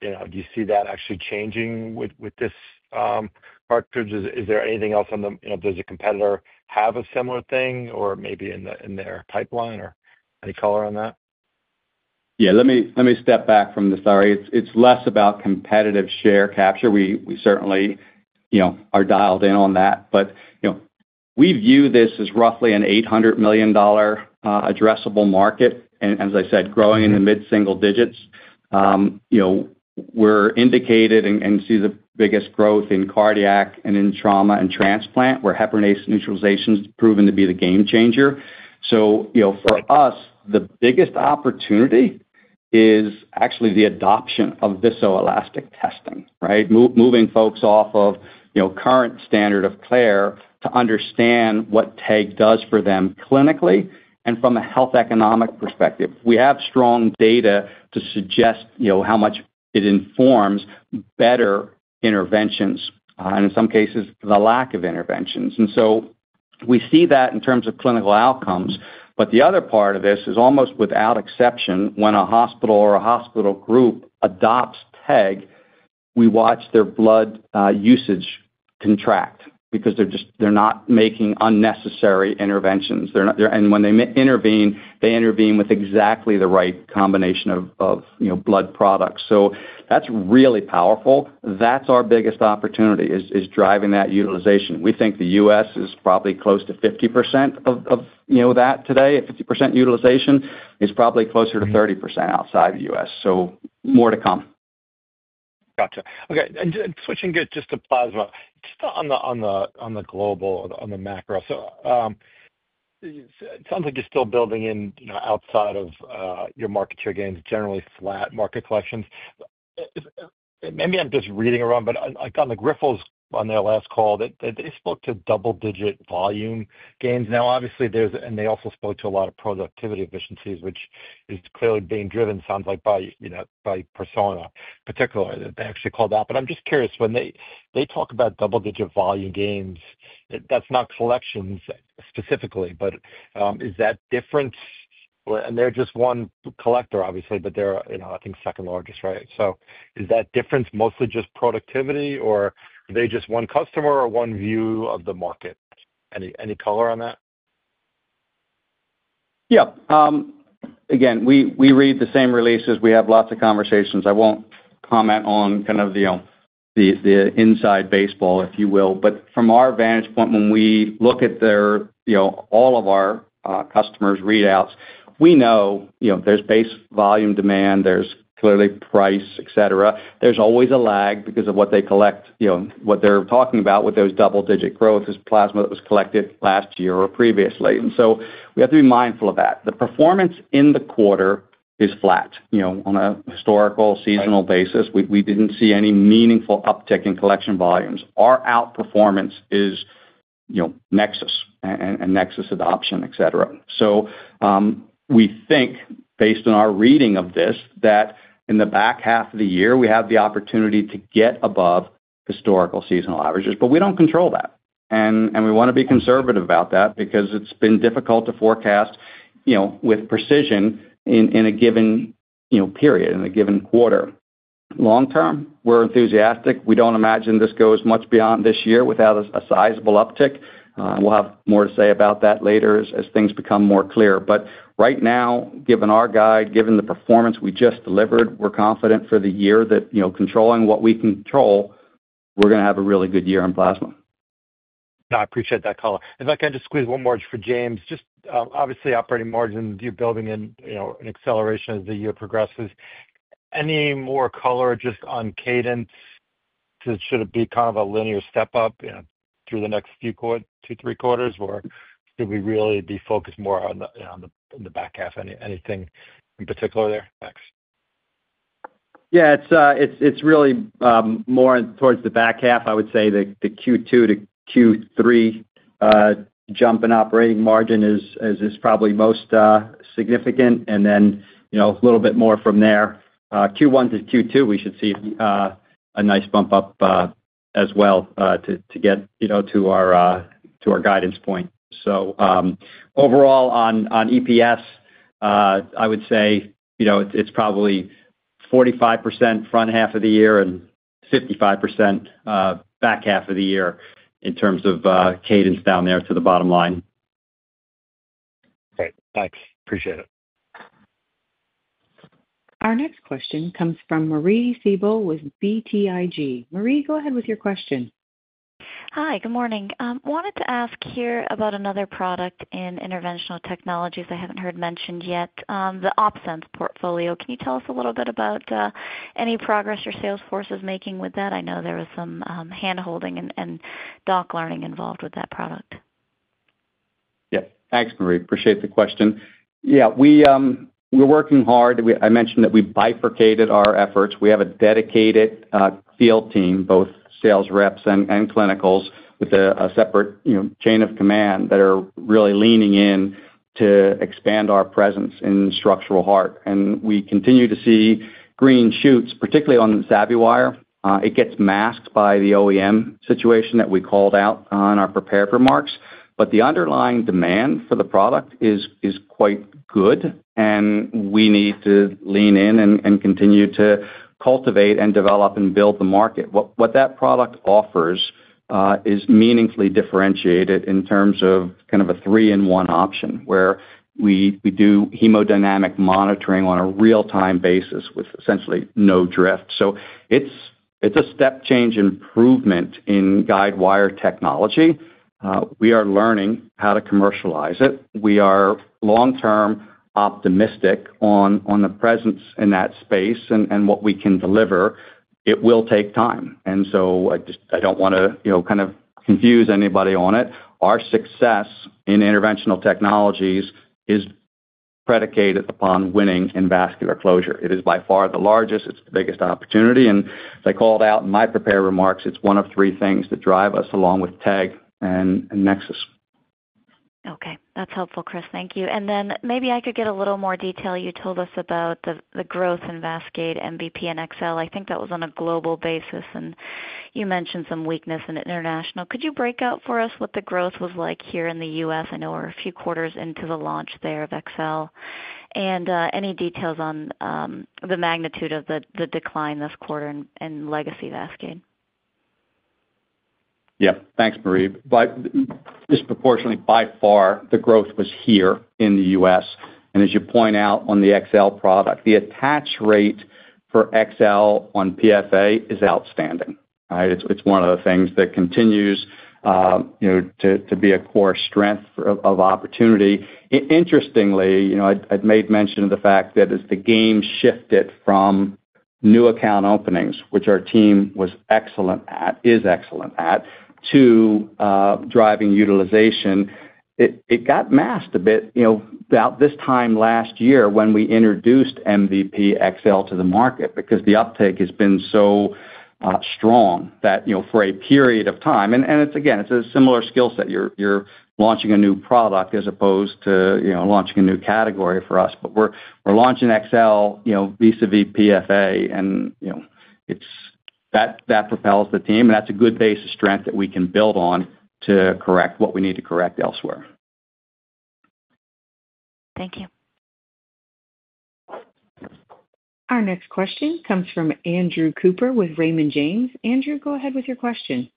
Do you see that actually changing with this cartridge? Is there anything else on the, you know, does a competitor have a similar thing or maybe in their pipeline or any color on that? Yeah, let me step back from that. Sorry, it's less about competitive share capture. We certainly are dialed in on that. We view this as roughly an $800 million addressable market and, as I said, growing in the mid-single digits. We're indicated and see the biggest growth in cardiac and in trauma and transplant where heparinase neutralization's proven to be the game changer. For us the biggest opportunity is actually the adoption of viscoelastic testing. Right. Moving folks off of current standard of care to understand what TEG does for them clinically and from a health economic perspective. We have strong data to suggest how much it informs better interventions and in some cases the lack of interventions. We see that in terms of clinical outcomes. The other part of this is almost without exception, when a hospital or a hospital group adopts TEG, we watch their blood usage contract because they're not making unnecessary interventions. When they intervene, they intervene with exactly the right combination of blood products. That's really powerful. That's our biggest opportunity, driving that utilization. We think the U.S. is probably close to 50% of that today. At 50% utilization, it's probably closer to 30% outside the U.S., so more to come. Gotcha. Okay. Switching just to Plasma on the global, on the macro. It sounds like you're still building in, outside of your market share gains, generally flat market collections. Maybe I'm just reading around, but on Grifols, on their last call they spoke to double-digit volume gains. Obviously there's, and they also spoke to a lot of productivity efficiencies, which is clearly being driven, sounds like, by Persona particularly that they actually call that. I'm just curious when they talk about double-digit volume gains, that's not collections specifically, but is that difference? They're just one collector obviously, but they're, you know, I think second largest. Right. Is that difference mostly just productivity or are they just one customer or one view of the market? Any color on that? Yeah, again, we read the same releases, we have lots of conversations. I won't comment on kind of, you know, the inside baseball, if you will. From our vantage point, when we look at their, you know, all of our customers' readouts, we know, you know, there's base volume demand, there's clearly price, etc. There's always a lag because of what they collect. What they're talking about with those double-digit growth, this plasma that was collected last year or previously. We have to be mindful of that. The performance in the quarter is flat on a historical seasonal basis. We didn't see any meaningful uptick in collection volumes. Our outperformance is, you know, NexSys and NexSys adoption, etc. We think based on our reading of this, that in the back half of the year we have the opportunity to get above historical seasonal averages. We don't control that and we want to be conservative about that because it's been difficult to forecast, you know, with precision in a given, you know, period in a given quarter. Long term, we're enthusiastic. We don't imagine this goes much beyond this year without a sizable uptick. We'll have more to say about that later as things become more clear. Right now, given our guide, given the performance we just delivered, we're confident for the year that, you know, controlling what we control, we're going to have a really good year on Plasma. I appreciate that call. If I can just squeeze one more for James. Obviously, operating margin, you're building in, you know, an acceleration as the year progresses. Any more color just on cadence? Should it be kind of a linear step up, you know, through the next few quarters or two to three quarters or should we really be focused more on the back half? Anything in particular there next? Yeah, it's really more towards the back half. I would say the Q2 to Q3 jump in operating margin is probably most significant. Then a little bit more from there. Q1 to Q2, we should see a nice bump up as well to get to our guidance point. Overall on EPS, I would say, you know, it's probably 45% front half of the year and 55% back half of the year in terms of cadence down there to the bottom line. Great, thanks. Appreciate it. Our next question comes from Marie Thibault with BTIG. Marie, go ahead with your question. Hi, good morning. Wanted to ask here about another product in interventional technologies I haven't heard mentioned yet, the OpSens. Can you tell us a little bit about any progress your sales force is making with that? I know there was some hand holding and doc learning involved with that product. Yep. Thanks, Marie. Appreciate the question. Yeah, we're working hard. I mentioned that we bifurcated our efforts. We have a dedicated field team, both sales reps and clinicals, with a separate chain of command that are really leaning in to expand our presence in structural heart. We continue to see green shoots, particularly on SavvyWire. It gets masked by the OEM situation that we called out in our prepared remarks. The underlying demand for the product is quite good and we need to lean in and continue to cultivate and develop and build the market. What that product offers is meaningfully differentiated in terms of kind of a three-in-one option where we do hemodynamic monitoring on a real-time basis with essentially no drift. It's a step change improvement in guidewire technology. We are learning how to commercialize it. We are long-term optimistic on the presence in that space and what we can deliver. It will take time and I just don't want to, you know, kind of confuse anybody on it. Our success in interventional technologies is predicated upon winning in Vascular Closure. It is by far the largest. It's the biggest opportunity and as I called out in my prepared remarks, it's one of three things that drive us along with TEG and NexSys. Okay, that's helpful, Chris. Thank you. Maybe I could get a little more detail. You told us about the growth in VASCADE MVP and VASCADE MVP XL. I think that was on a global basis. You mentioned some weakness in international. Could you break out for us what the growth was like here in the U.S.? I know we're a few quarters into the launch there of XL and any details on the magnitude of the decline this quarter in Legacy VASCADE? Yeah, thanks, Marie. Disproportionately, by far, the growth was here in the U.S. and as you point out on the XL product, the attach rate for XL on PFA is outstanding. Right. It's one of the things that continues to be a core strength of opportunity. Interestingly, I'd made mention of the fact that as the game shifted from new account openings, which our team was excellent at, is excellent at, to driving utilization, it got masked a bit about this time last year when we introduced MVP XL to the market because the uptake has been so strong that, you know, for a period of time and it's again, it's a similar skill set. You're launching a new product as opposed to, you know, launching a new category for us, but we're launching XL, you know, vis a vis PFA. It's that. That propels the team and that's a good base of strength that we can build on to correct what we need to correct elsewhere. Thank you. Our next question comes from Andrew Cooper with Raymond James. Andrew, go ahead with your question.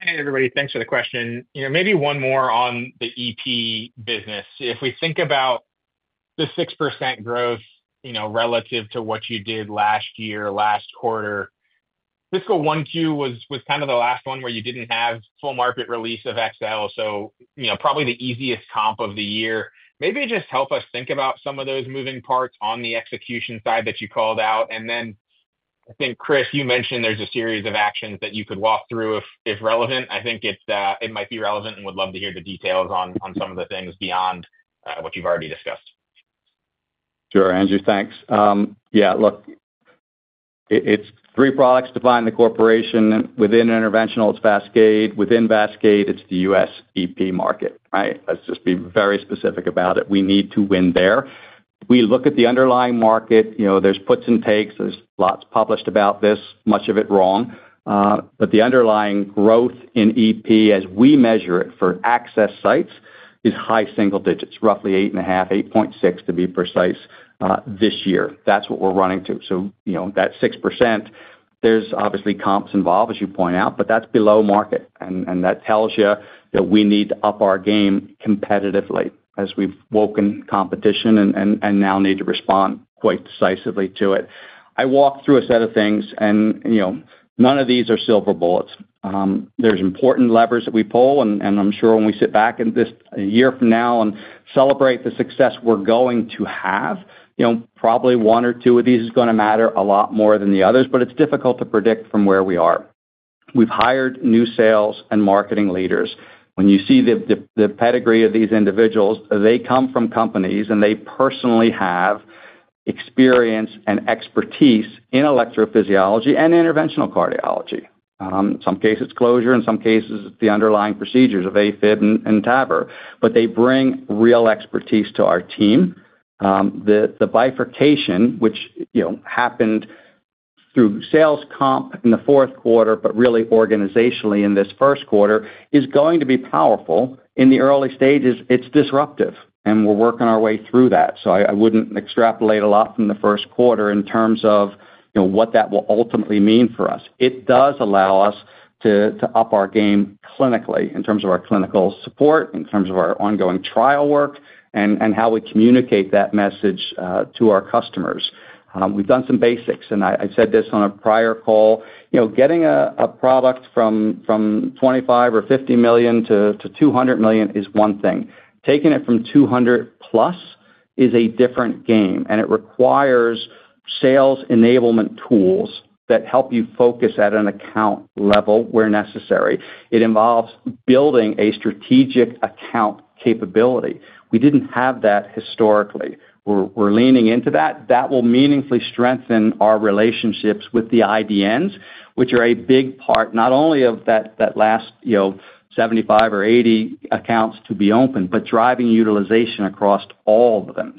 Hey, everybody, thanks for the question. Maybe one more on the EP business. If we think about the 6% growth, relative to what you did last year, last quarter, fiscal 1Q was kind of the last one where you didn't have full market release of XL. Probably the easiest comp of the year. Maybe just help us think about some of those moving parts on the execution side that you called out. I think, Chris, you mentioned there's a series of actions that you could walk through if relevant. I think it might be relevant and would love to hear the details on some of the things beyond what you've already discussed. Sure, Andrew. Thanks. Yeah, look, it's three products defined. The corporation within interventional. It's VASCADE within VASCADE. It's the U.S. EP market. Let's just be very specific about it. We need to win there. We look at the underlying market. There are puts and takes, there's lots published about this, much of it wrong. The underlying growth in EP, as we measure it for access sites, is high single digits, roughly 8.5%, 8.6% to be precise. This year, that's what we're running to. That 6%, there's obviously comps involved, as you point out, but that's below market and that tells you that we need to up our game competitively as we've woken competition and now need to respond quite decisively to it. I walk through a set of things and none of these are silver bullets. There are important levers that we pull and I'm sure when we sit back in this year from now and celebrate the success we're going to have, probably one or two of these is going to matter a lot more than the others. It's difficult to predict from where we are. We've hired new sales and marketing leaders. When you see the pedigree of these individuals, they come from companies and they personally have experience and expertise in electrophysiology and interventional cardiology. In some cases closure, in some cases the underlying procedures of AFib and TAVR, but they bring real expertise to our team. The bifurcation which happened through sales comp in the fourth quarter, but really organizationally in this first quarter, is going to be powerful in the early stages. It's disruptive and we're working our way through that. I wouldn't extrapolate a lot from the first quarter in terms of what that will ultimately mean for us. It does allow us to up our game clinically in terms of our clinical support, in terms of our ongoing trial work and how we communicate that message to our customers. We've done some basics and I said this on a prior call, you know, getting a product from $25 million or $50 million to $200 million is one thing. Taking it from $200 million+ is a different game. It requires sales enablement tools that help you focus at an account level where necessary. It involves building a strategic account capability. We didn't have that historically. We're leaning into that, that will meaningfully strengthen our relationships with the IDNs, which are a big part not only of that last 75 or 80 accounts to be open, but driving utilization across all of them.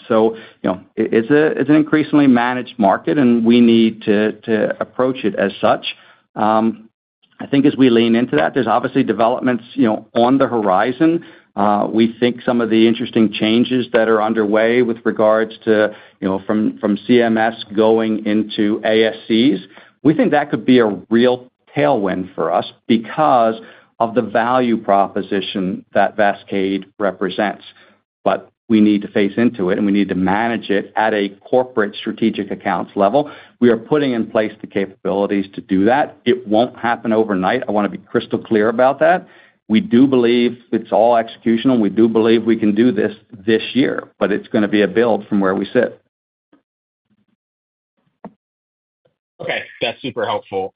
It's an increasingly managed market and we need to approach it as such. I think as we lean into that, there's obviously developments on the horizon. We think some of the interesting changes that are underway with regards to from CMS going into ASCs, we think that could be a real tailwind for us because of the value proposition that VASCADE represents. We need to face into it. We need to manage it at a corporate strategic accounts level. We are putting in place the capabilities to do that. It won't happen overnight. I want to be crystal clear about that. We do believe it's all executional. We do believe we can do this this year, but it's going to be a build from where we sit. Okay, that's super helpful.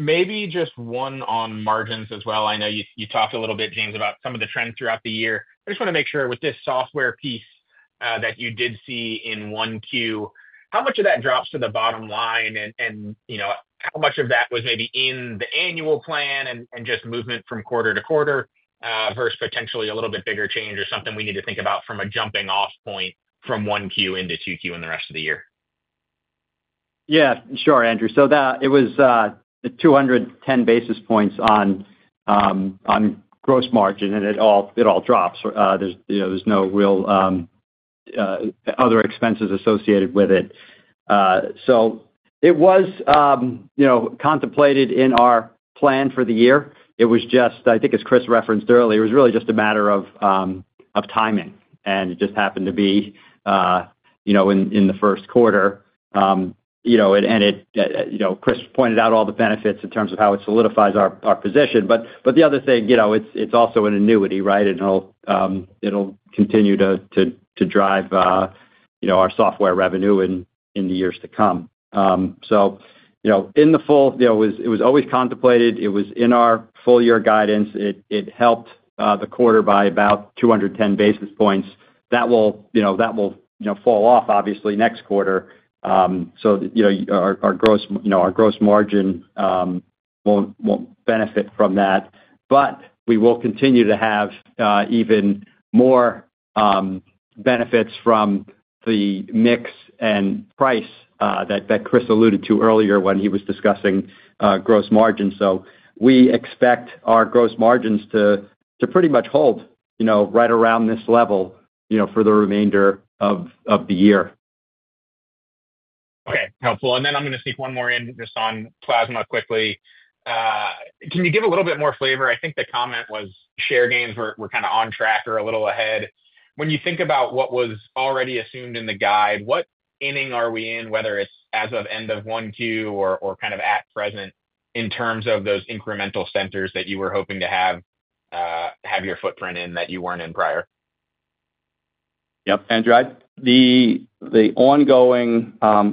Maybe just one on margins as well. I know you talked a little bit, James, about some of the trends throughout the year. I just want to make sure with this software piece that you did see in 1Q, how much of that drops to the bottom line and, you know, how much of that was maybe in the annual plan and just movement from quarter to quarter versus potentially a little bit bigger change is something we need to think about from a jumping off point from 1Q into 2Q and the rest of the year. Yeah, sure, Andrew. So that, it was 210 basis points on gross margin and it all drops. There's no real other expenses associated with it. It was contemplated in our plan for the year. It was just, I think as Chris referenced earlier, it was really just a matter of timing and it just happened to be in the first quarter. Chris pointed out all the benefits in terms of how it solidifies our position. The other thing, it's also an annuity. Right. It'll continue to drive our software revenue in the years to come. In the full year, it was always contemplated, it was in our full year guidance. It helped the quarter by about 210 basis points; that will fall off obviously next quarter. Our gross margin won't benefit from that, but we will continue to have even more benefits from the mix and price that Chris alluded to earlier when he was discussing gross margin. We expect our gross margins to pretty much hold right around this level for the remainder of the year. Okay, helpful. I'm going to sneak one more in just on Plasma quickly. Can you give a little bit more flavor? I think the comment was share gains were kind of on track or a little ahead. When you think about what was already assumed in the guide, what inning are we in? Whether it's as of end of 1Q or at present in terms of those incremental centers that you were hoping to have your footprint in that you weren't in prior. Yep. The ongoing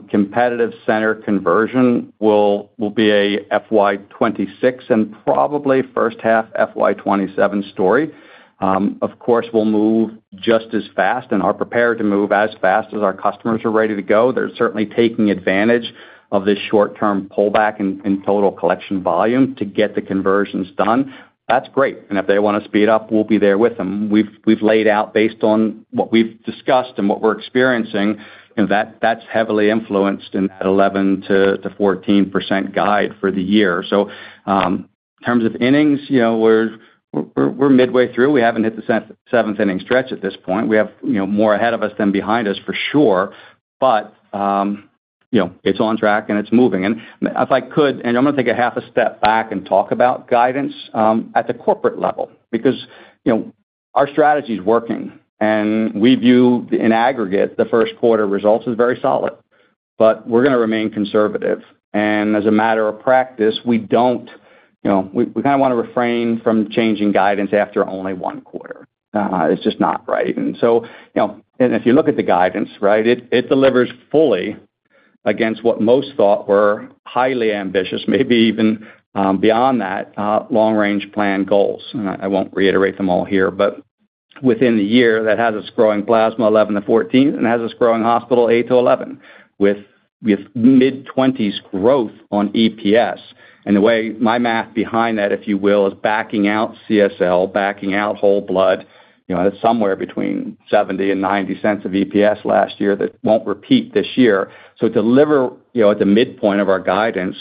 competitive center conversion will be a FY 2026 and probably first half FY 2027 story. Of course, we'll move just as fast and are prepared to move as fast as our customers are ready to go. They're certainly taking advantage of this short-term pullback in total collection volume to get the conversions done. That's great. If they want to speed up, we'll be there with them. We've laid out based on what we've discussed and what we're experiencing, and that's heavily influenced in that 11%-14% guide for the year. In terms of innings, we're midway through, we haven't hit the seventh inning stretch at this point. We have more ahead of us than behind us for sure, but it's on track and it's moving. If I could, I'm going to take a half a step back and talk about guidance at the corporate level because our strategy is working and we view in aggregate the first quarter results as very solid. We're going to remain conservative, and as a matter of practice we don't want to refrain from changing guidance after only one quarter. It's just not right. If you look at the guidance, it delivers fully against what most thought were highly ambitious, maybe even beyond that long range plan goals. I won't reiterate them all here, but within the year that has us growing Plasma 11%-14% and has us growing hospital 8%-11% with mid-20s growth on EPS. The way my math behind that, if you will, is backing out CSL, backing out Whole Blood business, somewhere between $0.70 and $0.90 of EPS last year that won't repeat this year. To deliver at the midpoint of our guidance,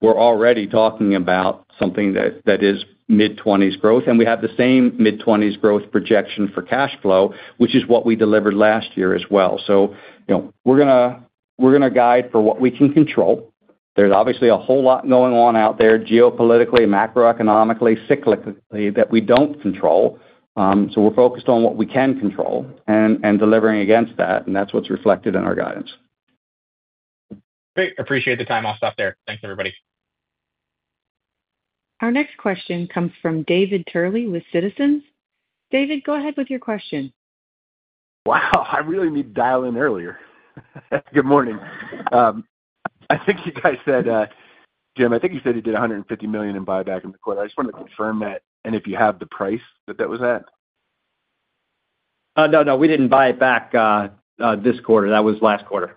we're already talking about something that is mid-20s growth. We have the same mid-20s growth projection for cash flow, which is what we delivered last year as well. We're going to guide for what we can control. There's obviously a whole lot going on out there geopolitically, macroeconomically, cyclically that we don't control. We're focused on what we can control and delivering against that. That's what's reflected in our guidance. Great. Appreciate the time. I'll stop there. Thanks everybody. Our next question comes from David Turkaly with Citizens. David, go ahead with your question. Wow, I really need to dial in earlier. Good morning. I think you guys said, Jim, I think you said you did $150 million in buyback in the quarter. I just wanted to confirm that, and if you have the price that that was at? No, we didn't buy it back this quarter. That was last quarter.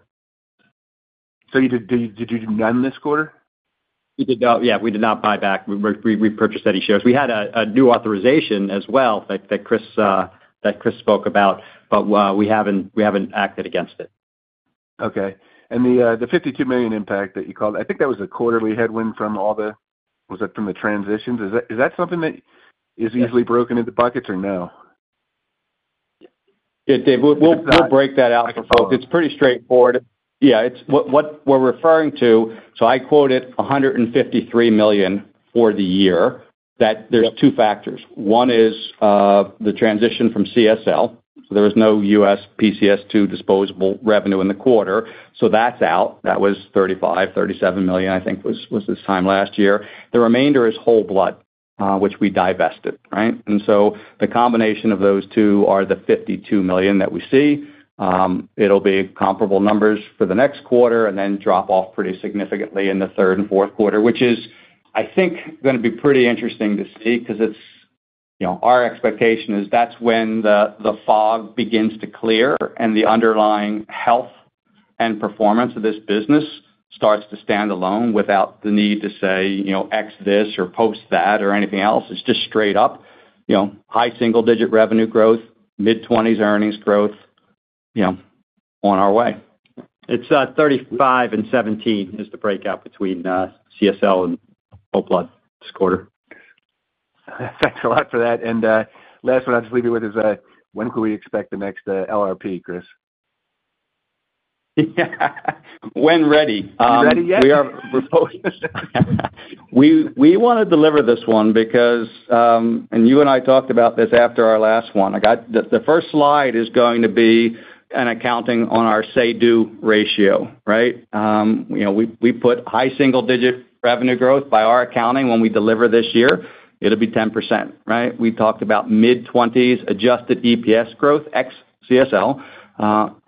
You did, did you do none this quarter? We did not. Yeah, we did not buy back. We repurchased any shares. We had a new authorization as well that Chris spoke about, but we haven't acted against it. Okay. The $52 million impact that you called, I think that was a quarterly headwind from all the, was it from the transitions? Is that something that is easily broken into buckets or— No? it did. We'll break that out for folks. It's pretty straightforward. Yeah, it's what we're referring to. I quoted $153 million for the year. There's two factors. One is the transition from CSL. There is no U.S. PCS2 disposable revenue in the quarter, so that's out. That was $35 million, $37 million I think was this time last year. The remainder is Whole Blood, which we divested. Right. The combination of those two are the $52 million that we see. It'll be comparable numbers for the next quarter and then drop off pretty significantly in the third and fourth quarter, which is, I think, going to be pretty interesting to see because it's, you know, our expectation is that's when the fog begins to clear and the underlying health and performance of this business starts to stand alone without the need to say, you know, X this or post that or anything else. It's just straight up, you know, high single digit revenue growth, mid-20s earnings growth. You know, on our way, it's $35 million and $17 million is the breakout between CSL and Whole Blood this quarter. Thanks a lot for that. Last one I'll just leave you with is when can we expect the next LRP, Chris? When ready yet? We are proposing, we want to deliver this one because, and you and I talked about this after our last one, I got the first slide is going to be an accounting on our, say, DO ratio. Right. You know, we put high single-digit revenue growth by our accounting. When we deliver this year, it'll be 10%. Right. We talked about mid-20s adjusted EPS growth, ex-CSL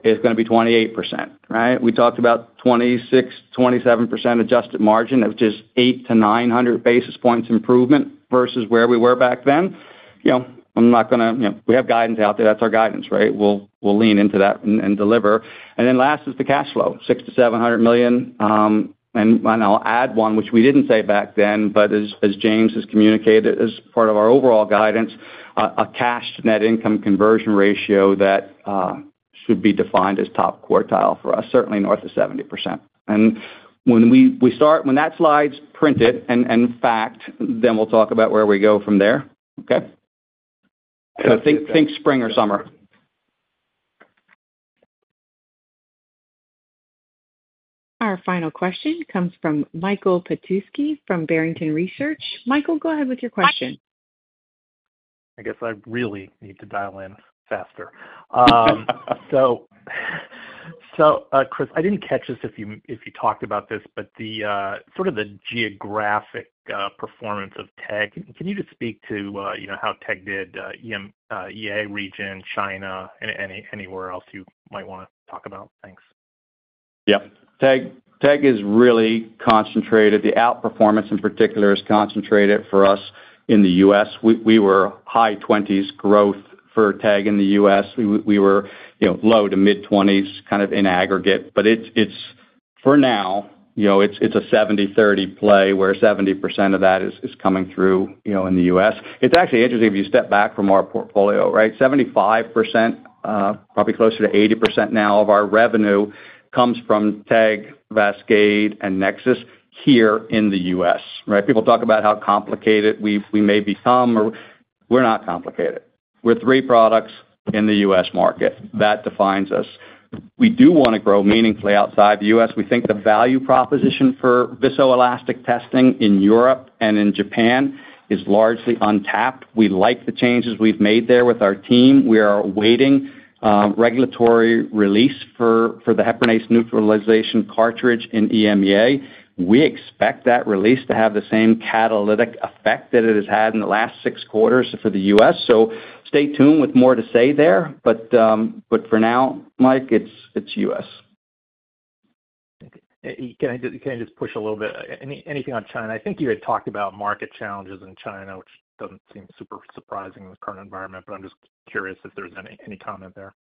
is going to be 28%. Right. We talked about 26%, 27% adjusted margin of just 800-900 basis points improvement versus where we were back then. You know, I'm not going to, you know, we have guidance out there. That's our guidance. Right. We'll lean into that and deliver. Last is the cash flow, $600 million-$700 million. I'll add one, which we didn't say back then, but as James has communicated as part of our overall guidance, a cash to net income conversion ratio that should be defined as top quartile for us, certainly north of 70%. When that slides, print it and fact, then we'll talk about where we go from there. Think spring or summer. Our final question comes from Michael Petusky from Barrington Research. Michael, go ahead with your question. I guess I really need to dial in faster. Chris, I didn't catch this if you talked about this, but the sort of the geographic performance of TEG. Can you just speak to, you know, how TEG did EMEA, region, China, anywhere else you might want to talk about? Thanks. Yep, TEG is really concentrated. The outperformance in particular is concentrated. For us in the U.S. we were high 20% growth. For TEG in the U.S. we were, you know, low to mid-20s, kind of in aggregate. It's a 70/30 play where 70% of that is coming through in the U.S. It's actually interesting if you step back from our portfolio, 75%, probably closer to 80% now, of our revenue comes from TEG, VASCADE, and NexSys. Here in the U.S. people talk about how complicated we may be or we're not complicated. We're three products in the U.S. market that defines us. We do want to grow meaningfully outside the U.S. We think the value proposition for viscoelastic testing in Europe and in Japan is largely untapped. We like the changes we've made there with our team. We are awaiting regulatory release for the heparinase neutralization cartridge in EMEA. We expect that release to have the same catalytic effect that it has had in the last six quarters for the U.S. Stay tuned with more to say there. For now, Mike, it's us. Can I just push a little bit? Anything on China? I think you had talked about market challenges in China, which doesn't seem super surprising in the current environment. I'm just curious if there's any comment there.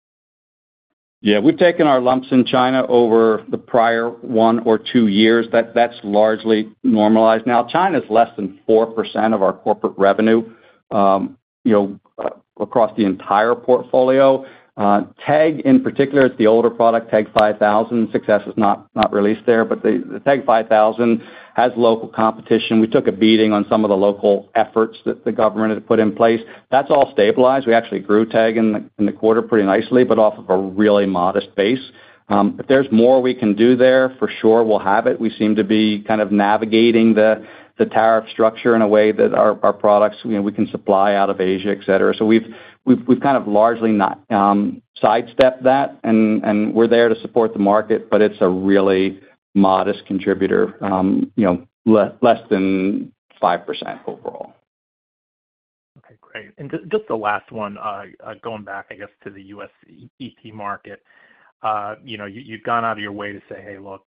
Yeah, we've taken our lumps in China over the prior one or two years. That's largely normalized now. China is less than 4% of our corporate revenue across the entire portfolio. TEG in particular, it's the older product TEG 5000. Success is not released there. The TEG 5000 has local competition. We took a beating on some of the local efforts that the government had put in place. That's all stabilized. We actually grew TEG in the quarter pretty nicely, but off of a really modest base. If there's more we can do there, for sure we'll have it. We seem to be kind of navigating the tariff structure in a way that our products we can supply out of Asia, et cetera. We've kind of largely sidestepped that and we're there to support the market. It's a really modest contributor, less than 5% overall. Okay, great. Just the last one, going back I guess to the U.S. ET market, you've gone out of your way to say, hey, look,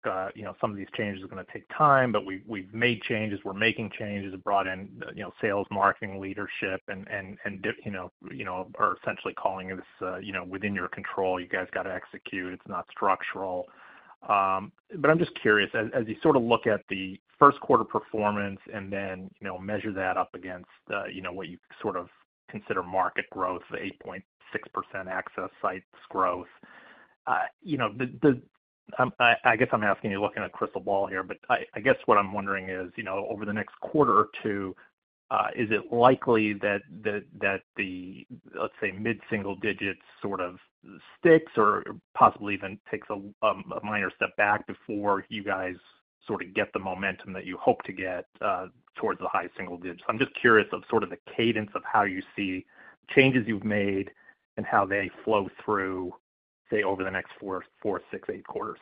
some of these changes are going to take time. We've made changes, we're making changes and brought in sales, marketing leadership and are essentially calling it within your control. You guys gotta execute. It's not structural. I'm just curious as you sort of look at the first quarter performance and then measure that up against what you sort of consider market growth, 8.6% access sites growth. I guess I'm asking you, looking at crystal ball here, but I guess what I'm wondering is over the next quarter or two, is it likely that the, let's say mid-single digits sort of sticks or possibly even takes a minor step back before you guys sort of get the momentum that you hope to get towards the high-single digits. I'm just curious of sort of the cadence of how you see changes you've made and how they flow through say over the next four, six, eight quarters.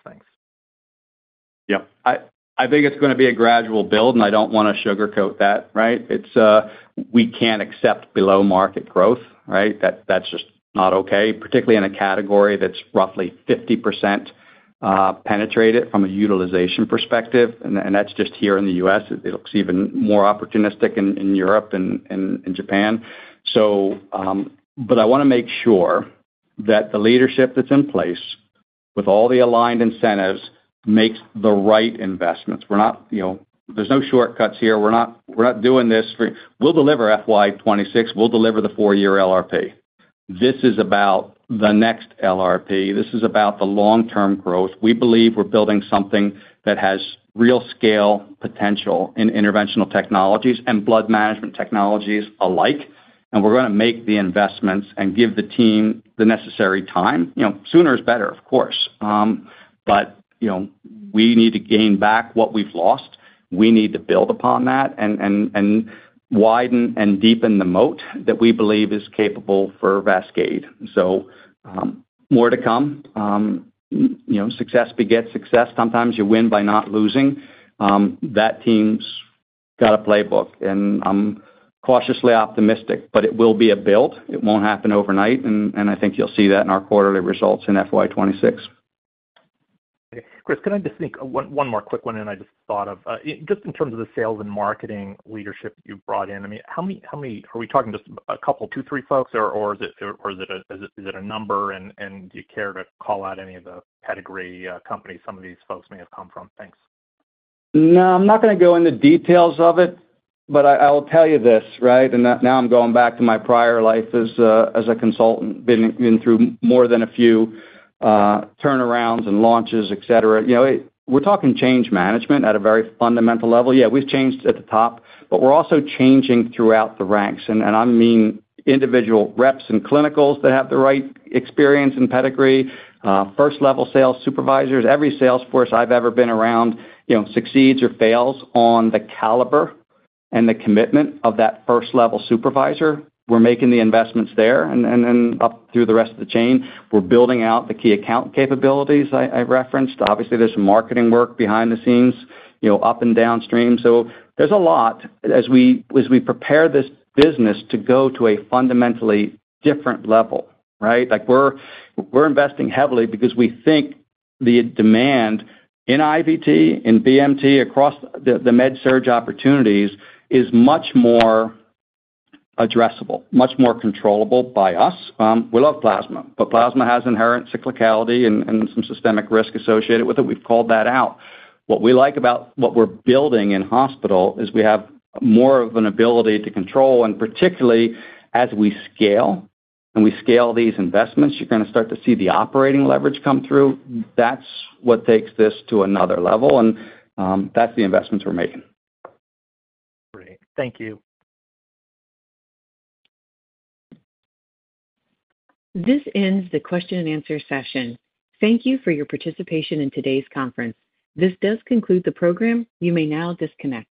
Yep. I think it's going to be a gradual build and I don't want to sugarcoat that. Right. We can't accept below market growth. That that's just not okay, particularly in a category that's roughly 50% penetrated from a utilization perspective. That's just here in the U.S. It looks even more opportunistic in Europe and in Japan. I want to make sure that the leadership that's in place with all the aligned incentives makes the right investments. We're not, you know, there's no shortcuts here. We're not, we're not doing this. We'll deliver FY 2026, we'll deliver the 4 year LRP. This is about the next LRP. This is about the long term growth. We believe we're building something that has real scale potential in Interventional Technologies and Blood Management Technologies alike. We're going to make the investments and give the team the necessary time. Sooner is better, of course, but we need to gain back what we've lost. We need to build upon that and widen and deepen the moat that we believe is capable for VASCADE. More to come. Success begets success. Sometimes you win by not losing. That team's got a playbook and I'm cautiously optimistic. It will be a build. It won't happen overnight. I think you'll see that in our quarterly results in FY 2026. Chris, can I just sneak one more quick one in? I just thought of just in terms of the sales and marketing leadership you brought in, I mean, how many, how many are we talking? Just a couple, two, three, folks, or is it a number? And do you care to call out any of the pedigree companies some of these folks may have come from? Thanks. No, I'm not going to go into details of it, but I will tell you this, right. Now I'm going back to my prior life as a consultant. Been through more than a few turnarounds and launches, et cetera. We're talking change management at a very fundamental level. Yeah, we've changed at the top, but we're also changing throughout the ranks and I mean individual reps and clinicals that have the right experience and pedigree. First level sales supervisors, every salesforce I've ever been around, succeeds or fails on the caliber and the commitment of that first level supervisor. We're making the investments there and then up through the rest of the chain. We're building out the key account capabilities I referenced. Obviously there's some marketing work behind the scenes, up and downstream. There's a lot as we prepare this business to go to a fundamentally different level. We're investing heavily because we think the demand in IVT, in BMT across the med-surg opportunities is much more addressable, much more controllable by us. We love Plasma, but Plasma has inherent cyclicality and some systemic risk associated with it. We've called that out. What we like about what we're building in hospital is we have more of an ability to control. Particularly as we scale and we scale these investments, you're going to start to see the operating leverage come through. That's what takes this to another level and that's the investments we're making. Great, thank you. This ends the question-and-answer session. Thank you for your participation in today's conference. This does conclude the program. You may now disconnect.